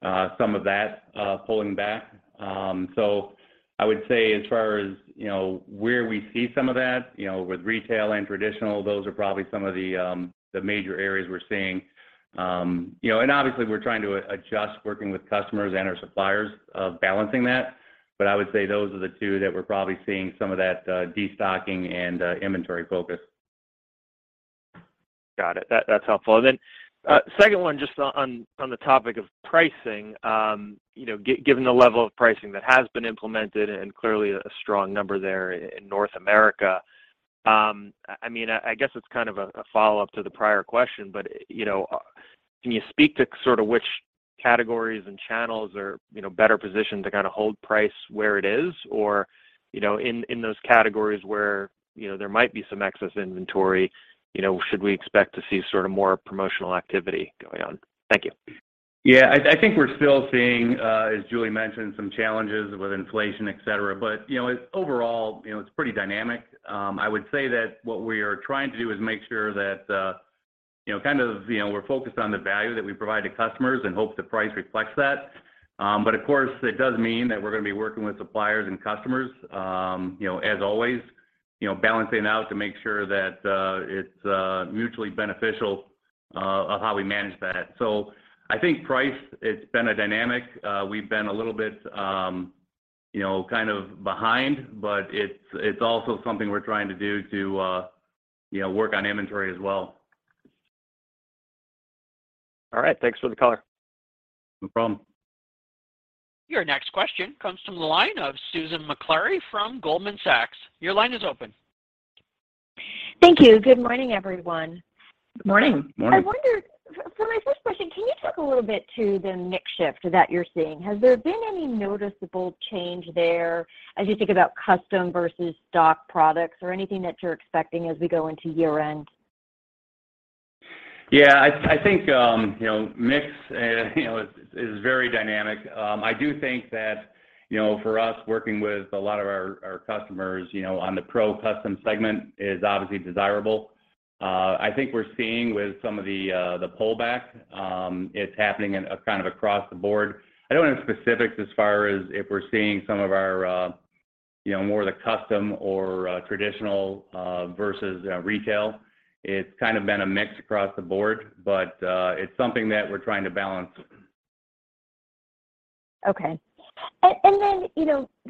some of that pulling back. I would say as far as you know, where we see some of that you know, with retail and traditional, those are probably some of the major areas we're seeing. Obviously we're trying to adjust working with customers and our suppliers of balancing that. I would say those are the two that we're probably seeing some of that destocking and inventory focus.
Got it. That's helpful. Second one just on the topic of pricing, you know, given the level of pricing that has been implemented and clearly a strong number there in North America, I mean, it's kind of a follow-up to the prior question, but, you know, can you speak to sort of which categories and channels are, you know, better positioned to kind of hold price where it is or, you know, in those categories where, you know, there might be some excess inventory, you know, should we expect to see sort of more promotional activity going on? Thank you.
Yeah. I think we're still seeing, as Julie mentioned, some challenges with inflation, et cetera, but, you know, it's overall, you know, it's pretty dynamic. I would say that what we are trying to do is make sure that the, you know, kind of, you know, we're focused on the value that we provide to customers and hope the price reflects that. But, of course, it does mean that we're going to be working with suppliers and customers, you know, as always, you know, balancing out to make sure that it's mutually beneficial of how we manage that. I think price, it's been a dynamic. We've been a little bit, you know, kind of behind, but it's also something we're trying to do to, you know, work on inventory as well.
All right. Thanks for the color.
No problem.
Your next question comes from the line of Susan Maklari from Goldman Sachs. Your line is open.
Thank you. Good morning, everyone.
Good morning.
Morning.
I wonder, for my first question, can you talk a little bit to the mix shift that you're seeing? Has there been any noticeable change there as you think about custom versus stock products or anything that you're expecting as we go into year end?
Yeah. I think you know mix, you know, is very dynamic. I do think that you know for us working with a lot of our customers you know on the pro custom segment is obviously desirable. I think we're seeing with some of the pullback, it's happening in a kind of across the board. I don't have specifics as far as if we're seeing some of our you know more of the custom or traditional versus retail. It's kind of been a mix across the board but it's something that we're trying to balance.
Okay.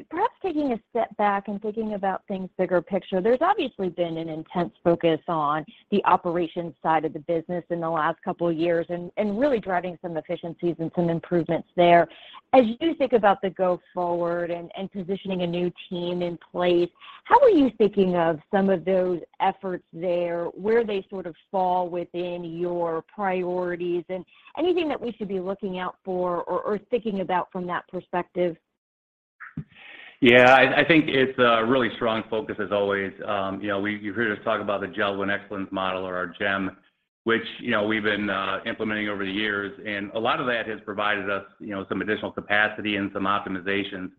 Perhaps taking a step back and thinking about the bigger picture. There's obviously been an intense focus on the operations side of the business in the last couple of years and really driving some efficiencies and some improvements there. As you think about going forward and positioning a new team in place, how are you thinking of some of those efforts there, where they sort of fall within your priorities? Anything that we should be looking out for or thinking about from that perspective?
Yeah. I think it's a really strong focus as always, you know, you hear us talk about the JELD-WEN Excellence Model or our GEM, which, you know, we've been implementing over the years, and a lot of that has provided us, you know, some additional capacity and some optimizations.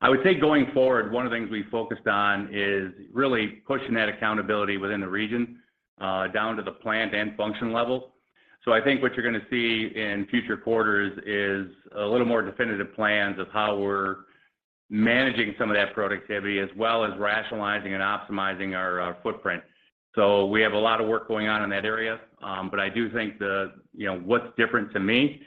I would say going forward, one of the things we focused on is really pushing that accountability within the region down to the plant and function level. I think what you're going to see in future quarters is a little more definitive plans of how we're managing some of that productivity as well as rationalizing and optimizing our footprint. We have a lot of work going on in that area. I do think the, you know, what's different to me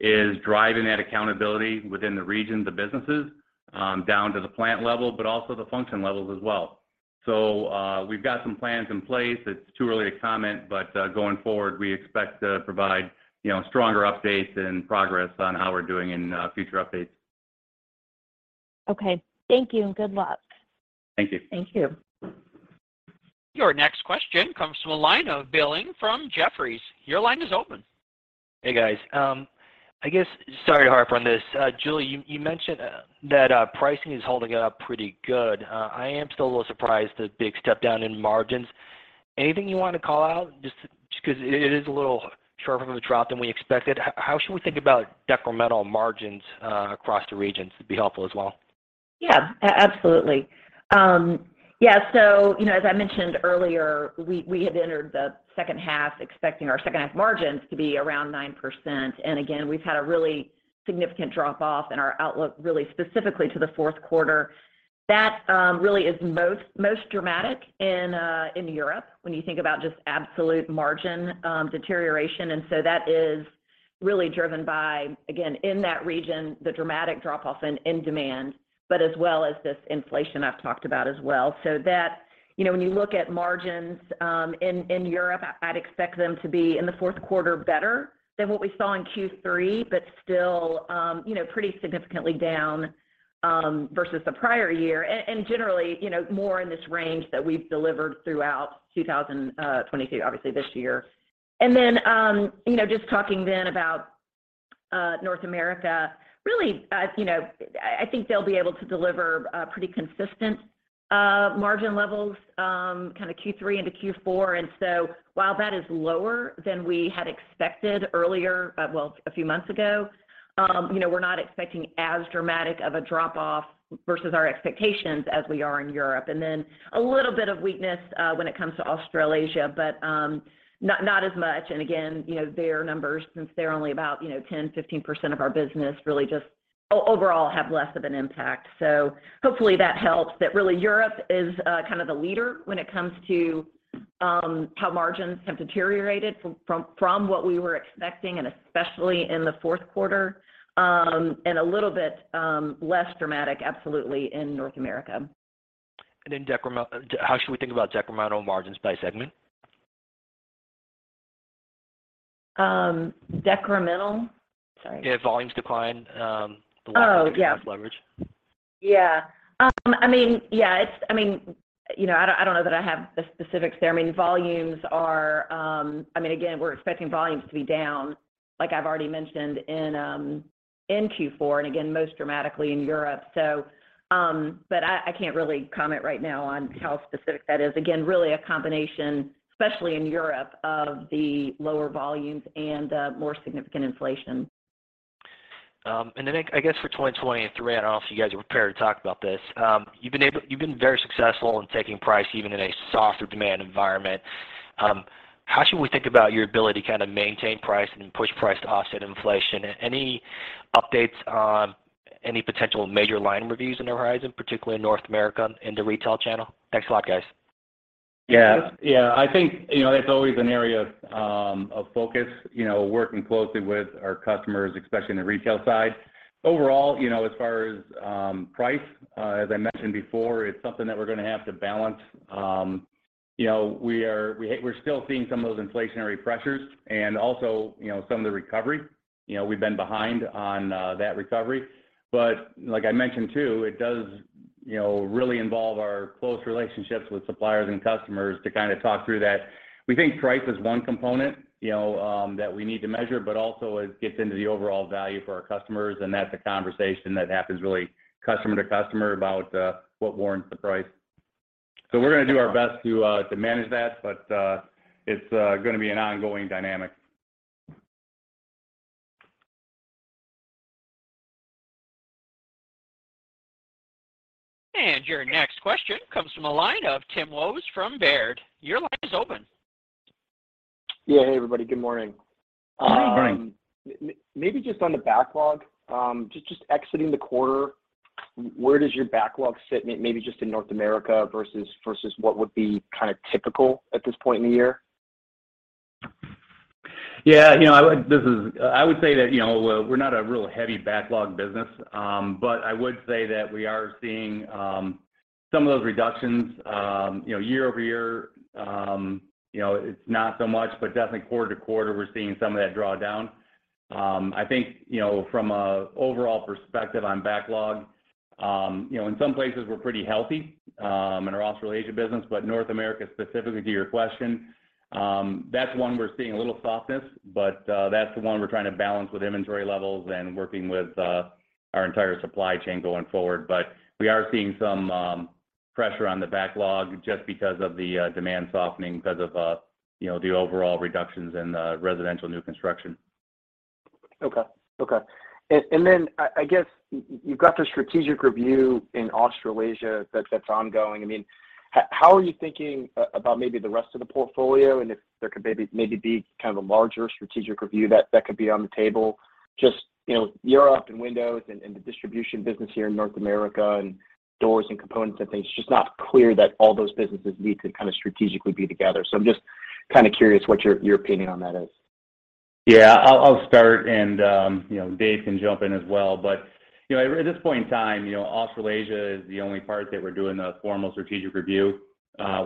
is driving that accountability within the region, the businesses, down to the plant level, but also the function levels as well. We've got some plans in place. It's too early to comment, but going forward, we expect to provide, you know, stronger updates and progress on how we're doing in future updates.
Okay. Thank you and good luck.
Thank you.
Thank you.
Your next question comes from a line of Philip Ng from Jefferies. Your line is open.
Hey, guys. Sorry to harp on this. Julie, you mentioned that pricing is holding up pretty good. I am still a little surprised the big step down in margins. Anything you want tocall out? Just because it is a little sharper of a drop than we expected. How should we think about incremental margins across the regions would be helpful as well.
Yeah, absolutely, yeah, as I mentioned earlier, we had entered the second half expecting our second half margins to be around 9%. Again, we've had a really significant drop off in our outlook, really specifically to the fourth quarter. That really is most dramatic in Europe when you think about just absolute margin deterioration. That is really driven by, again, in that region, the dramatic drop off in demand, but as well as this inflation I've talked about as well. That, you know, when you look at margins, in Europe, I'd expect them to be in the fourth quarter better than what we saw in Q3, but still, you know, pretty significantly down versus the prior year and generally, you know, more in this range that we've delivered throughout 2022, obviously, this year. Then, you know, just talking about North America, really, you know, I think they'll be able to deliver pretty consistent margin levels, kind of Q3 into Q4. While that is lower than we had expected earlier, well, a few months ago, you know, we're not expecting as dramatic of a drop-off versus our expectations as we are in Europe. A little bit of weakness when it comes to Australasia but not as much. Again, you know, their numbers, since they're only about, you know, 10%-15% of our business, really just overall have less of an impact. Hopefully that helps but really Europe is kind of the leader when it comes to how margins have deteriorated from what we were expecting and especially in the fourth quarter, and a little bit less dramatic absolutely in North America.
How should we think about decremental margins by segment?
Decremental? Sorry.
Yeah, volumes decline.
Oh, yeah.
The lack of operating leverage.
Yeah. I mean, yeah, it's, I mean, you know, I don't know that I have the specifics there. I mean, volumes are, I mean, again, we're expecting volumes to be down, like I've already mentioned, in Q4, and again, most dramatically in Europe. I can't really comment right now on how specific that is. Again, really a combination, especially in Europe, of the lower volumes and the more significant inflation.
For 2020 and throughout, I don't know if you guys are prepared to talk about this. You've been very successful in taking price even in a softer demand environment. How should we think about your ability to kind of maintain price and push price to offset inflation? Any updates, any potential major line reviews on the horizon, particularly in North America in the retail channel? Thanks a lot, guys.
Yeah. I think, you know, that's always an area of focus, you know, working closely with our customers, especially in the retail side. Overall, you know, as far as price, as I mentioned before, it's something that we're going to have to balance. You know, we're still seeing some of those inflationary pressures and also, you know, some of the recovery. We've been behind on that recovery. Like I mentioned too, it does, you know, really involve our close relationships with suppliers and customers to kind of talk through that. We think price is one component, you know, that we need to measure, but also it gets into the overall value for our customers, and that's a conversation that happens really customer to customer about what warrants the price. We're going to do our best to manage that, but it's going to be an ongoing dynamic.
Your next question comes from the line of Timothy Wojs from Baird. Your line is open.
Yeah. Hey, everybody. Good morning.
Good morning.
Maybe just on the backlog, just exiting the quarter, where does your backlog sit maybe just in North America versus what would be kind of typical at this point in the year?
I would say that, you know, we're not a real heavy backlog business. I would say that we are seeing some of those reductions, you know, year-over-year, you know, it's not so much, but definitely quarter-to-quarter we're seeing some of that draw down. I think, you know, from an overall perspective on backlog, you know, in some places we're pretty healthy, in our Australasia business. North America specifically to your question, that's one we're seeing a little softness, but that's the one we're trying to balance with inventory levels and working with our entire supply chain going forward. We are seeing some pressure on the backlog just because of the demand softening because of, you know, the overall reductions in the residential new construction.
Okay. Okay. You've got the strategic review in Australasia that's ongoing. I mean, how are you thinking about maybe the rest of the portfolio and if there could maybe be kind of a larger strategic review that could be on the table? Just, you know, Europe and windows and the distribution business here in North America and doors and components and things, it's just not clear that all those businesses need to kind of strategically be together. I'm just kind of curious what your opinion on that is.
Yeah. I'll start and, you know, Dave can jump in as well. At this point in time, you know, Australasia is the only part that we're doing a formal strategic review.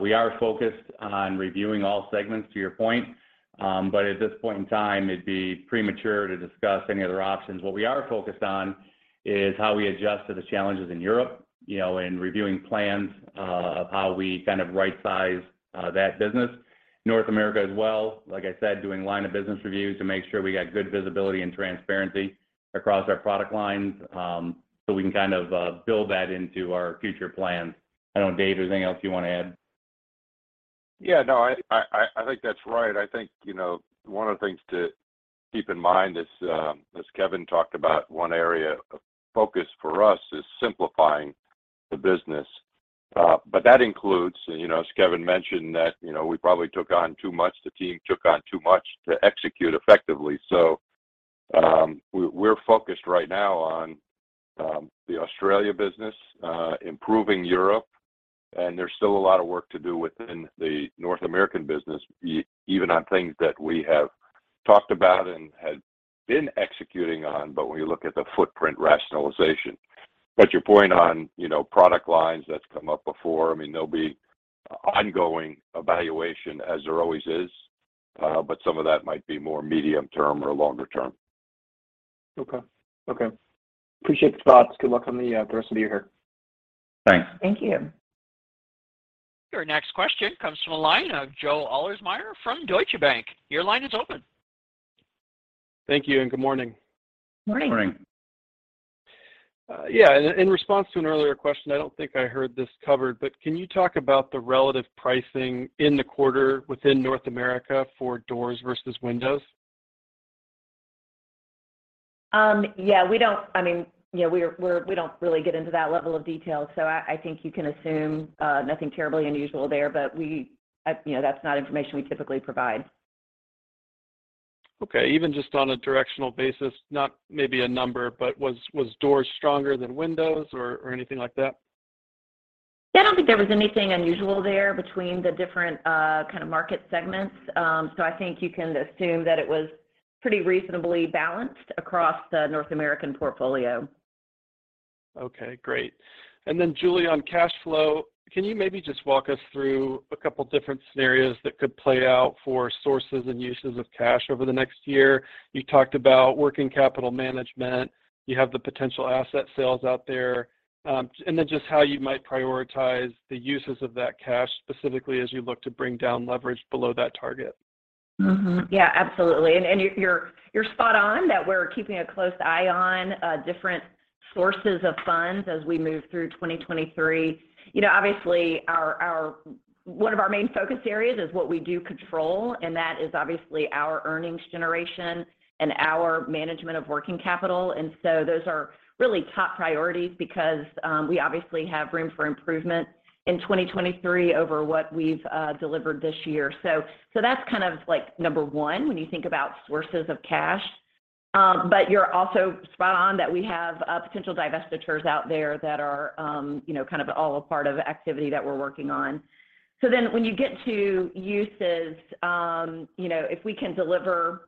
We are focused on reviewing all segments, to your point. At this point in time, it'd be premature to discuss any other options. What we are focused on is how we adjust to the challenges in Europe, you know, and reviewing plans of how we kind of right size that business. North America as well, like I said, doing line of business reviews to make sure we got good visibility and transparency across our product lines so we can kind of build that into our future plans. I don't know, Dave, is there anything else you want to add?
Yeah. No, I think that's right. I think, you know, one of the things to keep in mind as Kevin talked about, one area of focus for us is simplifying the business. But that includes, you know, as Kevin mentioned, that, you know, we probably took on too much, the team took on too much to execute effectively. So, we're focused right now on the Australia business, improving Europe, and there's still a lot of work to do within the North American business even on things that we have talked about and had been executing on, but when you look at the footprint rationalization. Your point on, you know, product lines, that's come up before. I mean, there'll be ongoing evaluation as there always is, but some of that might be more medium term or longer term.
Okay, okay, appreciate the thoughts. Good luck on the rest of the year here.
Thanks.
Thank you.
Your next question comes from the line of Joe Ahlersmeyer from Deutsche Bank. Your line is open.
Thank you and good morning.
Morning.
Morning.
Yeah. In response to an earlier question, I don't think I heard this covered, but can you talk about the relative pricing in the quarter within North America for doors versus windows?
Yeah, we don't, I mean, you know, we don't really get into that level of detail. I think you can assume nothing terribly unusual there. That's not information we typically provide.
Okay. Even just on a directional basis, not maybe a number, but was doors stronger than windows or anything like that?
Yeah, I don't think there was anything unusual there between the different kind of market segments. I think you can assume that it was pretty reasonably balanced across the North American portfolio.
Okay, great, and then Julie, on cash flow, can you maybe just walk us through a couple different scenarios that could play out for sources and uses of cash over the next year? You talked about working capital management. You have the potential asset sales out there. Just how you might prioritize the uses of that cash specifically as you look to bring down leverage below that target?
Yeah, absolutely, and you're spot on that we're keeping a close eye on different sources of funds as we move through 2023. Obviously, one of our main focus areas is what we do control, and that is obviously our earnings generation and our management of working capital. Those are really top priorities because we obviously have room for improvement in 2023 over what we've delivered this year. That's kind of like number one when you think about sources of cash. But you're also spot on that we have potential divestitures out there that are, you know, kind of all a part of activity that we're working on. Then when you get to uses, you know, if we can deliver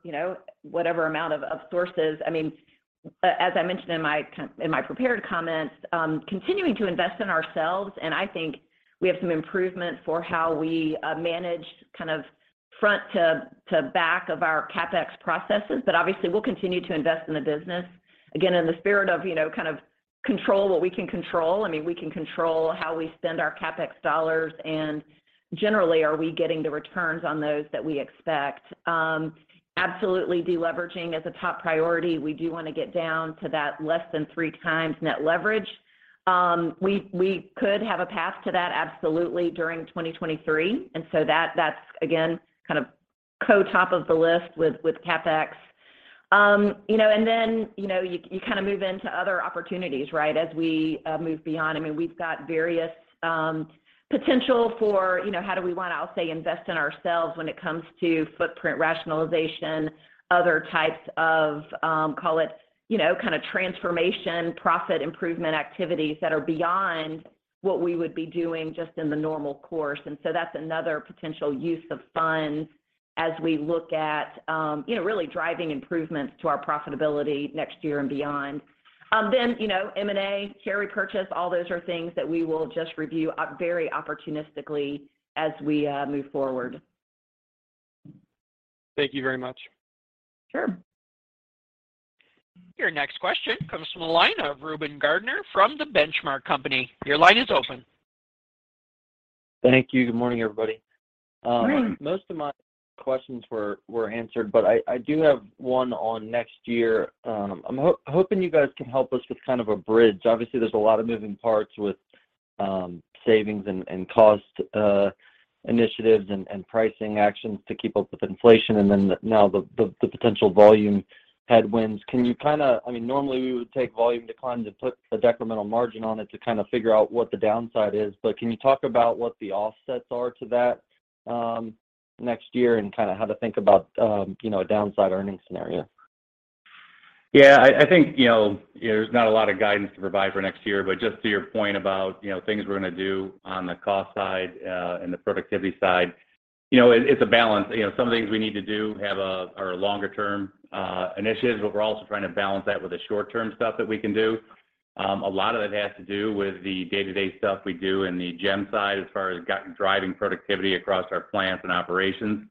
whatever amount of sources. I mean, as I mentioned in my prepared comments, continuing to invest in ourselves, and I think we have some improvement for how we manage kind of front to back of our CapEx processes. Obviously, we'll continue to invest in the business. Again, in the spirit of, you know, kind of control what we can control. I mean, we can control how we spend our CapEx dollars and generally are we getting the returns on those that we expect. Absolutely deleveraging is a top priority. We do want to get down to that less than 3x net leverage. We could have a path to that absolutely during 2023, and so that's again kind of top of the list with CapEx and then, you know, you kind of move into other opportunities, right? As we move beyond. I mean, we've got various potential for, you know, how do we want, I'll say, invest in ourselves when it comes to footprint rationalization, other types of, call it, you know, kind of transformation, profit improvement activities that are beyond what we would be doing just in the normal course. That's another potential use of funds as we look at, you know, really driving improvements to our profitability next year and beyond. M&A, share repurchase, all those are things that we will just review very opportunistically as we move forward.
Thank you very much.
Sure.
Your next question comes from the line of Reuben Garner from The Benchmark Company. Your line is open.
Thank you. Good morning, everybody.
Morning.
Most of my questions were answered but I do have one on next year. I'm hoping you guys can help us with kind of a bridge. Obviously, there's a lot of moving parts with savings and cost initiatives and pricing actions to keep up with inflation and then now the potential volume headwinds. Can you kind of, I mean, normally we would take volume decline to put a decremental margin on it to kind of figure out what the downside is. But can you talk about what the offsets are to that next year and kind of how to think about you know, a downside earnings scenario?
I think, you know, there's not a lot of guidance to provide for next year but just to your point about, you know, things we're going to do on the cost side, and the productivity side. You know, it's a balance. You know, some of the things we need to do are longer term initiatives, but we're also trying to balance that with the short-term stuff that we can do. A lot of it has to do with the day-to-day stuff we do in the GEM side as far as driving productivity across our plants and operations.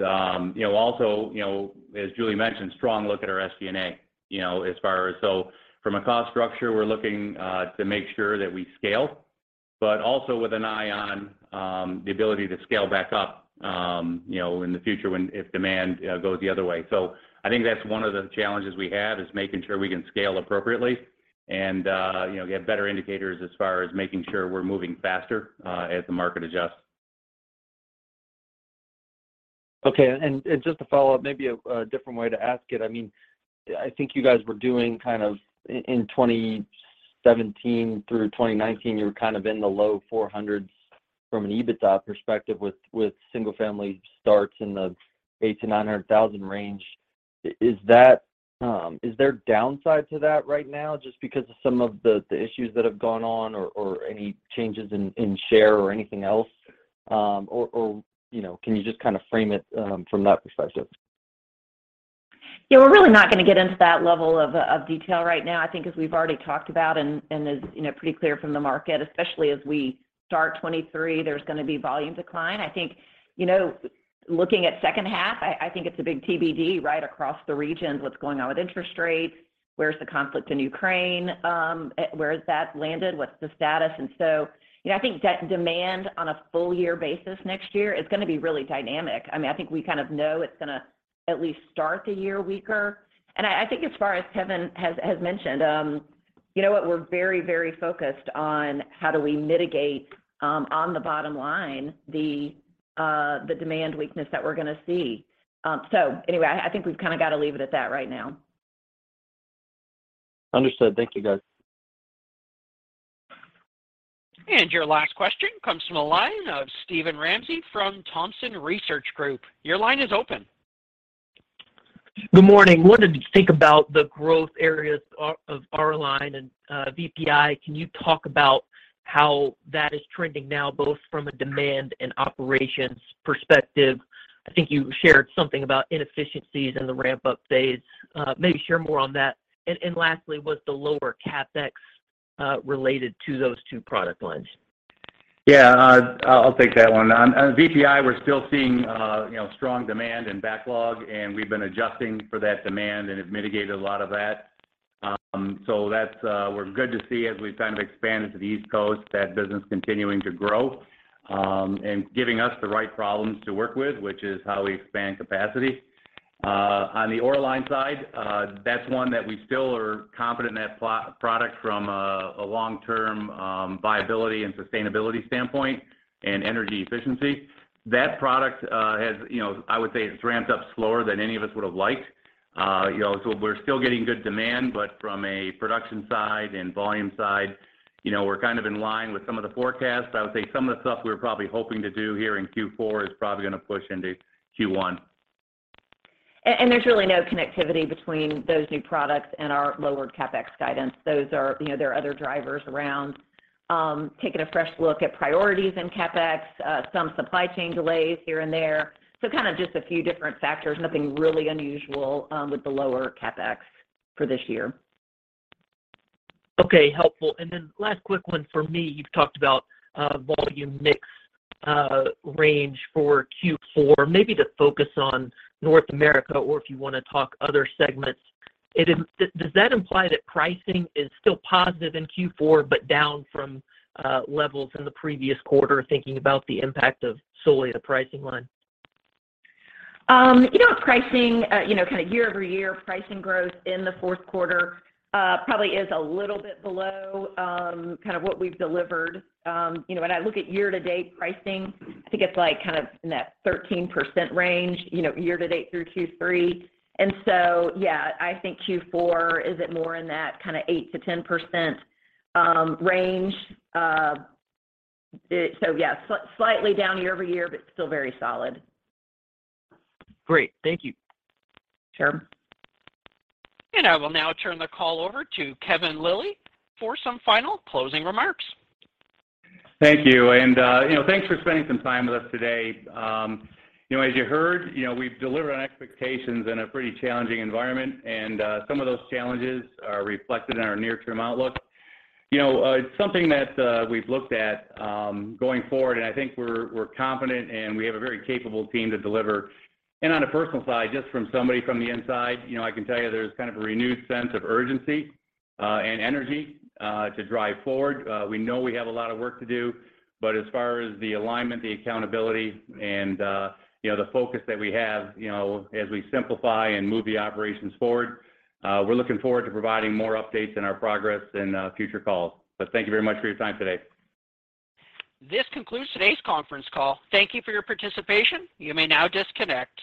Also, as Julie mentioned, strong look at our SG&A, you know, as far as. From a cost structure, we're looking to make sure that we scale, but also with an eye on the ability to scale back up, you know, in the future if demand goes the other way. I think that's one of the challenges we have is making sure we can scale appropriately and, you know, get better indicators as far as making sure we're moving faster, as the market adjusts.
Okay. Just to follow up, maybe a different way to ask it. I mean, I think you guys were doing kind of in 2017 through 2019, you were kind of in the low 400s from an EBITDA perspective with single family starts in the 800,000 to 900,000 range. Is there downside to that right now just because of some of the issues that have gone on or any changes in share or anything else or, you know, can you just kind of frame it from that perspective?
Yeah, we're really not going to get into that level of detail right now. I think as we've already talked about, as you know, it's pretty clear from the market, especially as we start 2023, there's going to be volume decline. I think, you know, looking at second half, I think it's a big TBD right across the regions, what's going on with interest rates, where's the conflict in Ukraine? Where has that landed? What's the status? I think demand on a full-year basis next year is going to be really dynamic. I mean, I think we kind of know it's going to at least start the year weaker. I think as far as Kevin has mentioned, you know what? We're very, very focused on how do we mitigate on the bottom line, the demand weakness that we're going to see. Anyway, I think we've kind of got to leave it at that right now.
Understood. Thank you, guys.
Your last question comes from the line of Steven Ramsey from Thompson Research Group. Your line is open.
Good morning. I wanted to think about the growth areas of Auraline and VPI. Can you talk about how that is trending now, both from a demand and operations perspective? I think you shared something about inefficiencies in the ramp-up phase. Maybe share more on that. Lastly, was the lower CapEx related to those two product lines?
Yeah, I'll take that one. On VPI, we're still seeing, you know, strong demand and backlog, and we've been adjusting for that demand and have mitigated a lot of that. So that's, we're good to see as we've kind of expanded to the East Coast, that business continuing to grow, and giving us the right problems to work with, which is how we expand capacity. On the Auraline side, that's one that we still are confident in that product from a long-term viability and sustainability standpoint and energy efficiency. That product has, you know, I would say it's ramped up slower than any of us would have liked. You know, so we're still getting good demand, but from a production side and volume side, you know, we're kind of in line with some of the forecasts. I would say some of the stuff we were probably hoping to do here in Q4 is probably going to push into Q1.
There's really no connectivity between those new products and our lowered CapEx guidance. Those are, you know, there are other drivers around, taking a fresh look at priorities in CapEx, some supply chain delays here and there so kind of just a few different factors, nothing really unusual, with the lower CapEx for this year.
Okay, helpful. Last quick one from me. You've talked about, volume mix, range for Q4, maybe to focus on North America or if you want to talk other segments. Does that imply that pricing is still positive in Q4 but down from, levels in the previous quarter, thinking about the impact of solely the pricing line?
Pricing, you know, kind of year-over-year pricing growth in the fourth quarter, probably is a little bit below, kind of what we've delivered. When I look at year-to-date pricing, I think it's, like, kind of in that 13% range, you know, year-to-date through Q3. Yeah, I think Q4 is at more in that kind of 8% to 10% range. Yeah, slightly down year-over-year but still very solid.
Great. Thank you.
Sure.
I will now turn the call over to Kevin Lilly for some final closing remarks.
Thank you. Thanks for spending some time with us today. As you heard, you know, we've delivered on expectations in a pretty challenging environment, and some of those challenges are reflected in our near-term outlook. It's something that we've looked at going forward, and I think we're confident, and we have a very capable team to deliver. On a personal side, just from somebody from the inside, you know, I can tell you there's kind of a renewed sense of urgency and energy to drive forward. We know we have a lot of work to do, but as far as the alignment, the accountability and, you know, the focus that we have, you know, as we simplify and move the operations forward, we're looking forward to providing more updates in our progress in future calls. Thank you very much for your time today.
This concludes today's conference call. Thank you for your participation. You may now disconnect.